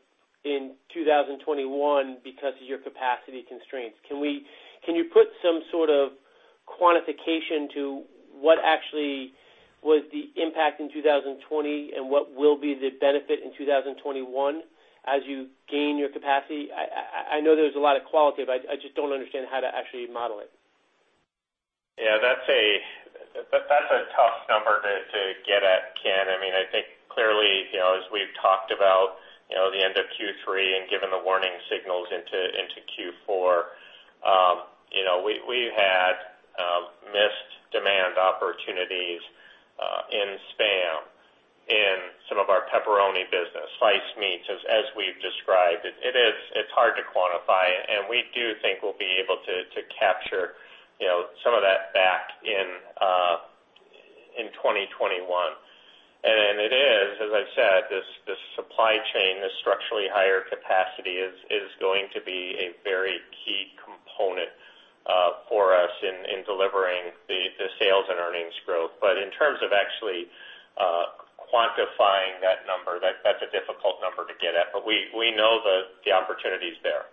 Speaker 12: in 2021 because of your capacity constraints? Can you put some sort of quantification to what actually was the impact in 2020 and what will be the benefit in 2021 as you gain your capacity? I know there is a lot of quality, but I just do not understand how to actually model it.
Speaker 3: Yeah. That is a tough number to get at, Ken. I mean, I think clearly, as we've talked about the end of Q3 and given the warning signals into Q4, we've had missed demand opportunities in SPAM in some of our pepperoni business. Slice meats, as we've described. It's hard to quantify. We do think we'll be able to capture some of that back in 2021. It is, as I said, the supply chain, the structurally higher capacity is going to be a very key component for us in delivering the sales and earnings growth. In terms of actually quantifying that number, that's a difficult number to get at. We know the opportunity's there.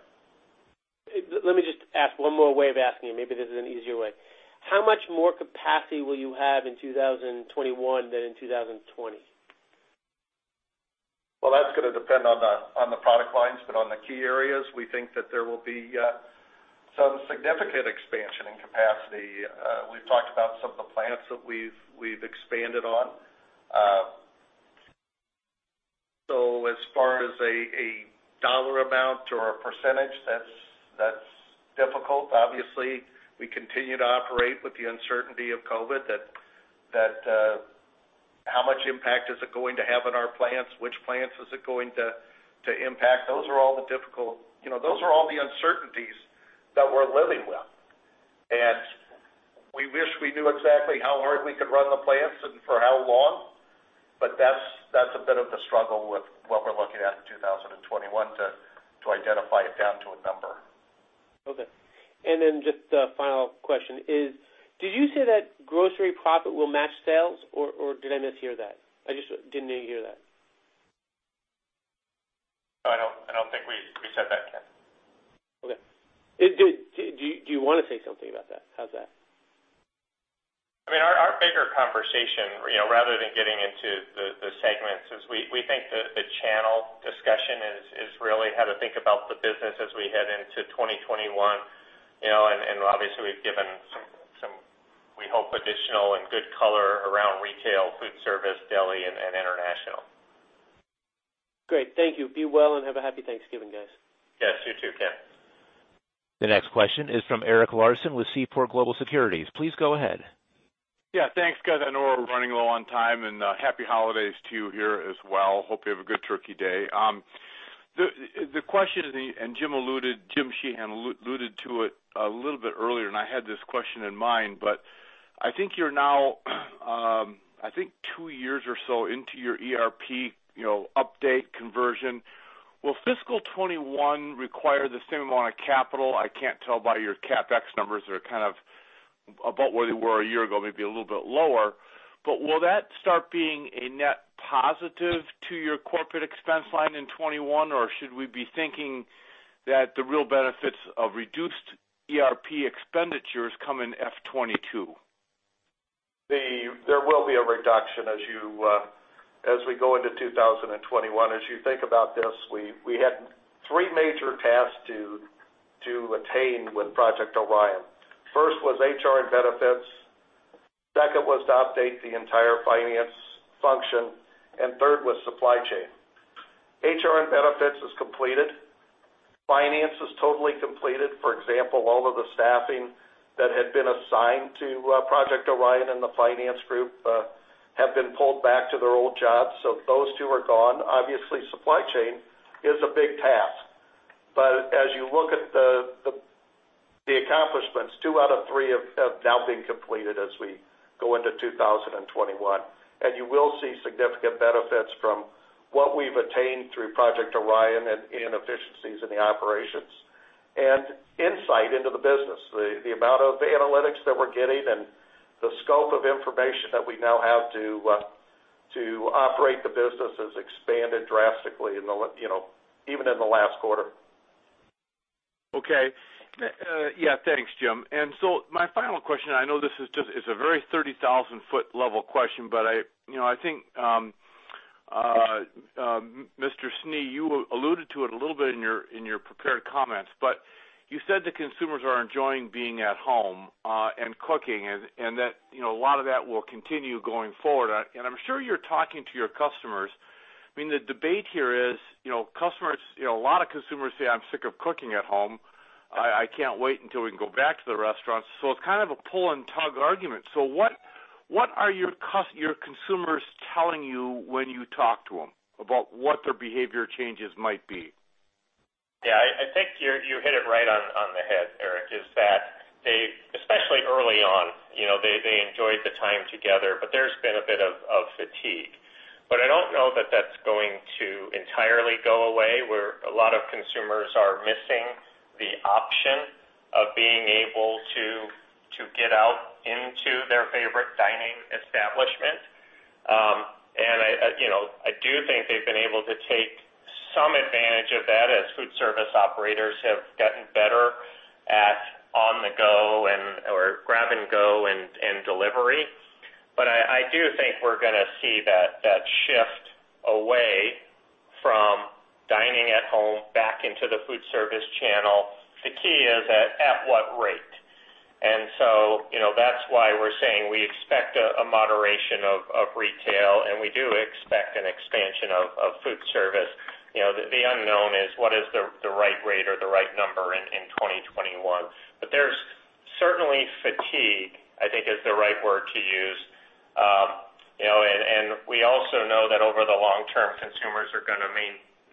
Speaker 12: Let me just ask one more way of asking you. Maybe this is an easier way. How much more capacity will you have in 2021 than in 2020?
Speaker 4: That's going to depend on the product lines. On the key areas, we think that there will be some significant expansion in capacity. We've talked about some of the plants that we've expanded on. As far as a dollar amount or a percentage, that's difficult. Obviously, we continue to operate with the uncertainty of COVID, that how much impact is it going to have on our plants? Which plants is it going to impact? Those are all the uncertainties that we're living with. We wish we knew exactly how hard we could run the plants and for how long. That's a bit of the struggle with what we're looking at in 2021 to identify it down to a number.
Speaker 12: Okay. Just the final question is, did you say that grocery profit will match sales? Or did I mishear that? I just didn't hear that.
Speaker 3: I don't think we said that, Ken.
Speaker 12: Okay. Do you want to say something about that? How's that?
Speaker 3: I mean, our bigger conversation, rather than getting into the segments, is we think the channel discussion is really how to think about the business as we head into 2021. Obviously, we've given some, we hope, additional and good color around retail, food service, deli, and international.
Speaker 12: Great. Thank you. Be well and have a happy Thanksgiving, guys.
Speaker 3: Yes. You too, Ken.
Speaker 1: The next question is from Eric Larson with Seaport Global Securities. Please go ahead.
Speaker 13: Yeah. Thanks, guys. I know we're running low on time. Happy holidays to you here as well. Hope you have a good turkey day. The question, and Jim Sheehan alluded to it a little bit earlier, and I had this question in mind. I think you're now, I think, two years or so into your ERP update conversion. Will fiscal 2021 require the same amount of capital? I can't tell by your CapEx numbers. They're kind of about where they were a year ago, maybe a little bit lower. Will that start being a net positive to your corporate expense line in 2021? Should we be thinking that the real benefits of reduced ERP expenditures come in 2022?
Speaker 4: There will be a reduction as we go into 2021. As you think about this, we had three major tasks to attain with Project Orion. First was HR and benefits. Second was to update the entire finance function. Third was supply chain. HR and benefits is completed. Finance is totally completed. For example, all of the staffing that had been assigned to Project Orion and the finance group have been pulled back to their old jobs. Those two are gone. Obviously, supply chain is a big task. As you look at the accomplishments, two out of three have now been completed as we go into 2021. You will see significant benefits from what we've attained through Project Orion and inefficiencies in the operations and insight into the business. The amount of analytics that we're getting and the scope of information that we now have to operate the business has expanded drastically, even in the last quarter. Okay. Yeah. Thanks, Jim. My final question, I know this is a very 30,000 ft level question, but I think Mr. Snee, you alluded to it a little bit in your prepared comments. You said that consumers are enjoying being at home and cooking and that a lot of that will continue going forward. I'm sure you're talking to your customers. I mean, the debate here is customers, a lot of consumers say, "I'm sick of cooking at home. I can't wait until we can go back to the restaurants." It is kind of a pull-and-tug argument. What are your consumers telling you when you talk to them about what their behavior changes might be?
Speaker 3: Yeah. I think you hit it right on the head, Eric, that especially early on, they enjoyed the time together. There has been a bit of fatigue. I do not know that that is going to entirely go away where a lot of consumers are missing the option of being able to get out into their favorite dining establishment. I do think they've been able to take some advantage of that as food service operators have gotten better at on-the-go or grab-and-go and delivery. I do think we're going to see that shift away from dining at home back into the food service channel. The key is at what rate? That is why we're saying we expect a moderation of retail. We do expect an expansion of food service. The unknown is what is the right rate or the right number in 2021. There is certainly fatigue, I think, is the right word to use. We also know that over the long term, consumers are going to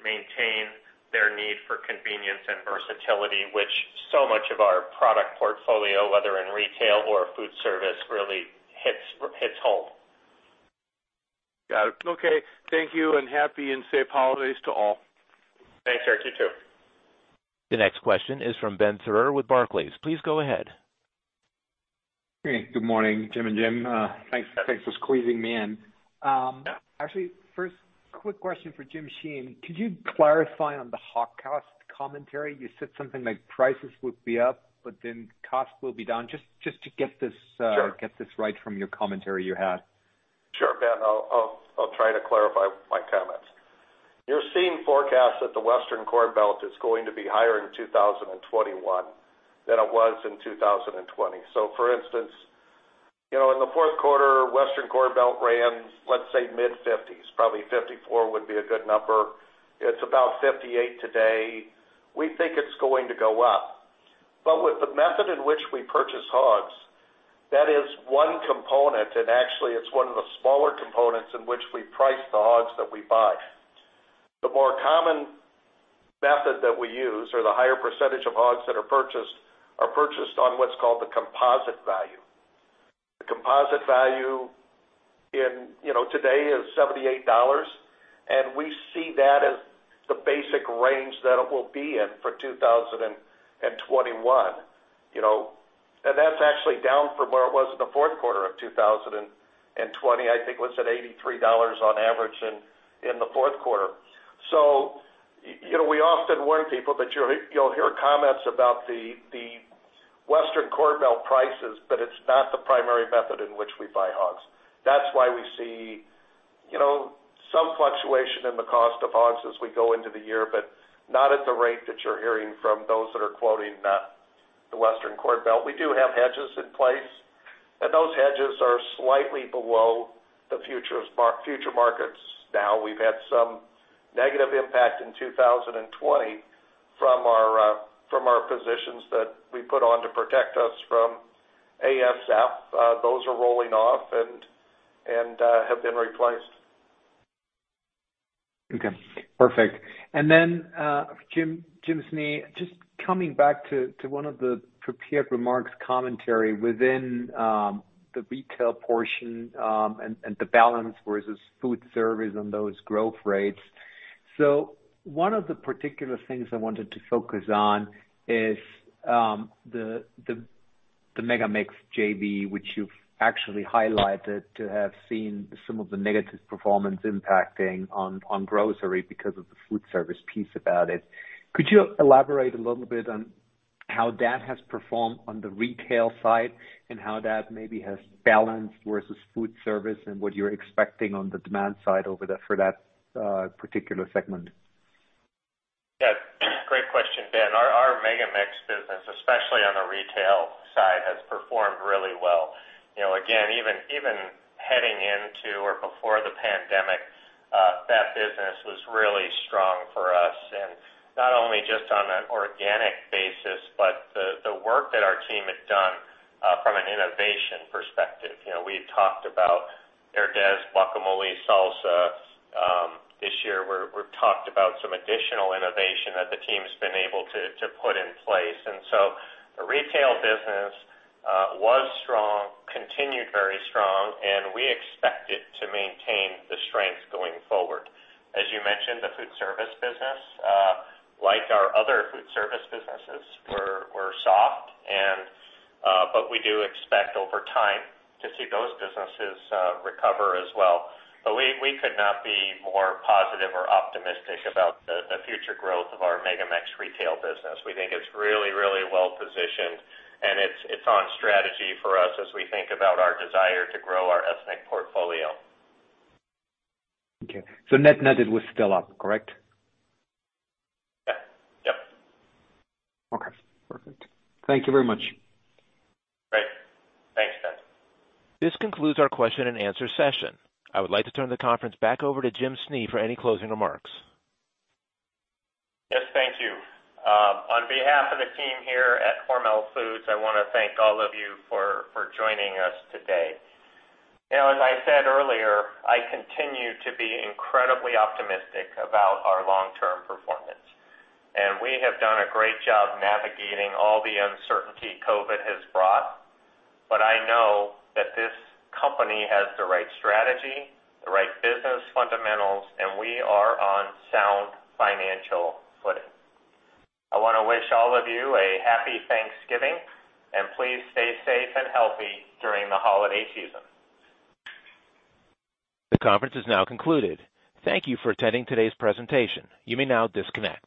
Speaker 3: maintain their need for convenience and versatility, which so much of our product portfolio, whether in retail or food service, really hits home.
Speaker 13: Got it. Okay. Thank you. Happy and safe holidays to all.
Speaker 3: Thanks, Eric. You too.
Speaker 1: The next question is from Ben Thurrer with Barclays. Please go ahead.
Speaker 14: Hey. Good morning, Jim and Jim. Thanks for squeezing me in. Actually, first quick question for Jim Sheehan. Could you clarify on the hog cost commentary? You said something like prices will be up, but then cost will be down, just to get this right from your commentary you had.
Speaker 4: Sure, Ben. I'll try to clarify my comments. You're seeing forecasts that the Western Corn Belt is going to be higher in 2021 than it was in 2020. For instance, in the fourth quarter, Western Corn Belt ran, let's say, mid-50s. Probably 54 would be a good number. It's about 58 today. We think it's going to go up. With the method in which we purchase hogs, that is one component. Actually, it's one of the smaller components in which we price the hogs that we buy. The more common method that we use or the higher percentage of hogs that are purchased are purchased on what's called the composite value. The composite value today is $78. We see that as the basic range that it will be in for 2021. That's actually down from where it was in the fourth quarter of 2020. I think it was at $83 on average in the fourth quarter. We often warn people that you'll hear comments about the Western Corn Belt prices, but it's not the primary method in which we buy hogs. That's why we see some fluctuation in the cost of hogs as we go into the year, but not at the rate that you're hearing from those that are quoting the Western Corn Belt. We do have hedges in place. Those hedges are slightly below the future markets. We have had some negative impact in 2020 from our positions that we put on to protect us from ASF. Those are rolling off and have been replaced.
Speaker 14: Okay. Perfect. Jim Snee, just coming back to one of the prepared remarks commentary within the retail portion and the balance versus food service and those growth rates. One of the particular things I wanted to focus on is the MegaMex JV, which you have actually highlighted to have seen some of the negative performance impacting on grocery because of the food service piece about it. Could you elaborate a little bit on how that has performed on the retail side and how that maybe has balanced versus food service and what you are expecting on the demand side for that particular segment?
Speaker 3: Yeah. Great question, Ben. Our MegaMex business, especially on the retail side, has performed really well. Again, even heading into or before the pandemic, that business was really strong for us. Not only just on an organic basis, but the work that our team had done from an innovation perspective. We've talked about Herdez guacamole salsa. This year, we've talked about some additional innovation that the team has been able to put in place. The retail business was strong, continued very strong, and we expect it to maintain the strength going forward. As you mentioned, the food service business, like our other food service businesses, were soft. We do expect over time to see those businesses recover as well. We could not be more positive or optimistic about the future growth of our MegaMex retail business. We think it's really, really well positioned. It is on strategy for us as we think about our desire to grow our ethnic portfolio.
Speaker 14: Net netted was still up, correct?
Speaker 3: Yeah. Yep.
Speaker 15: Perfect. Thank you very much.
Speaker 3: Great. Thanks, Ben.
Speaker 1: This concludes our question and answer session. I would like to turn the conference back over to Jim Snee for any closing remarks.
Speaker 3: Yes. Thank you. On behalf of the team here at Hormel Foods, I want to thank all of you for joining us today. As I said earlier, I continue to be incredibly optimistic about our long-term performance. We have done a great job navigating all the uncertainty COVID has brought. I know that this company has the right strategy, the right business fundamentals, and we are on sound financial footing. I want to wish all of you a happy Thanksgiving. Please stay safe and healthy during the holiday season.
Speaker 1: The conference is now concluded. Thank you for attending today's presentation. You may now disconnect.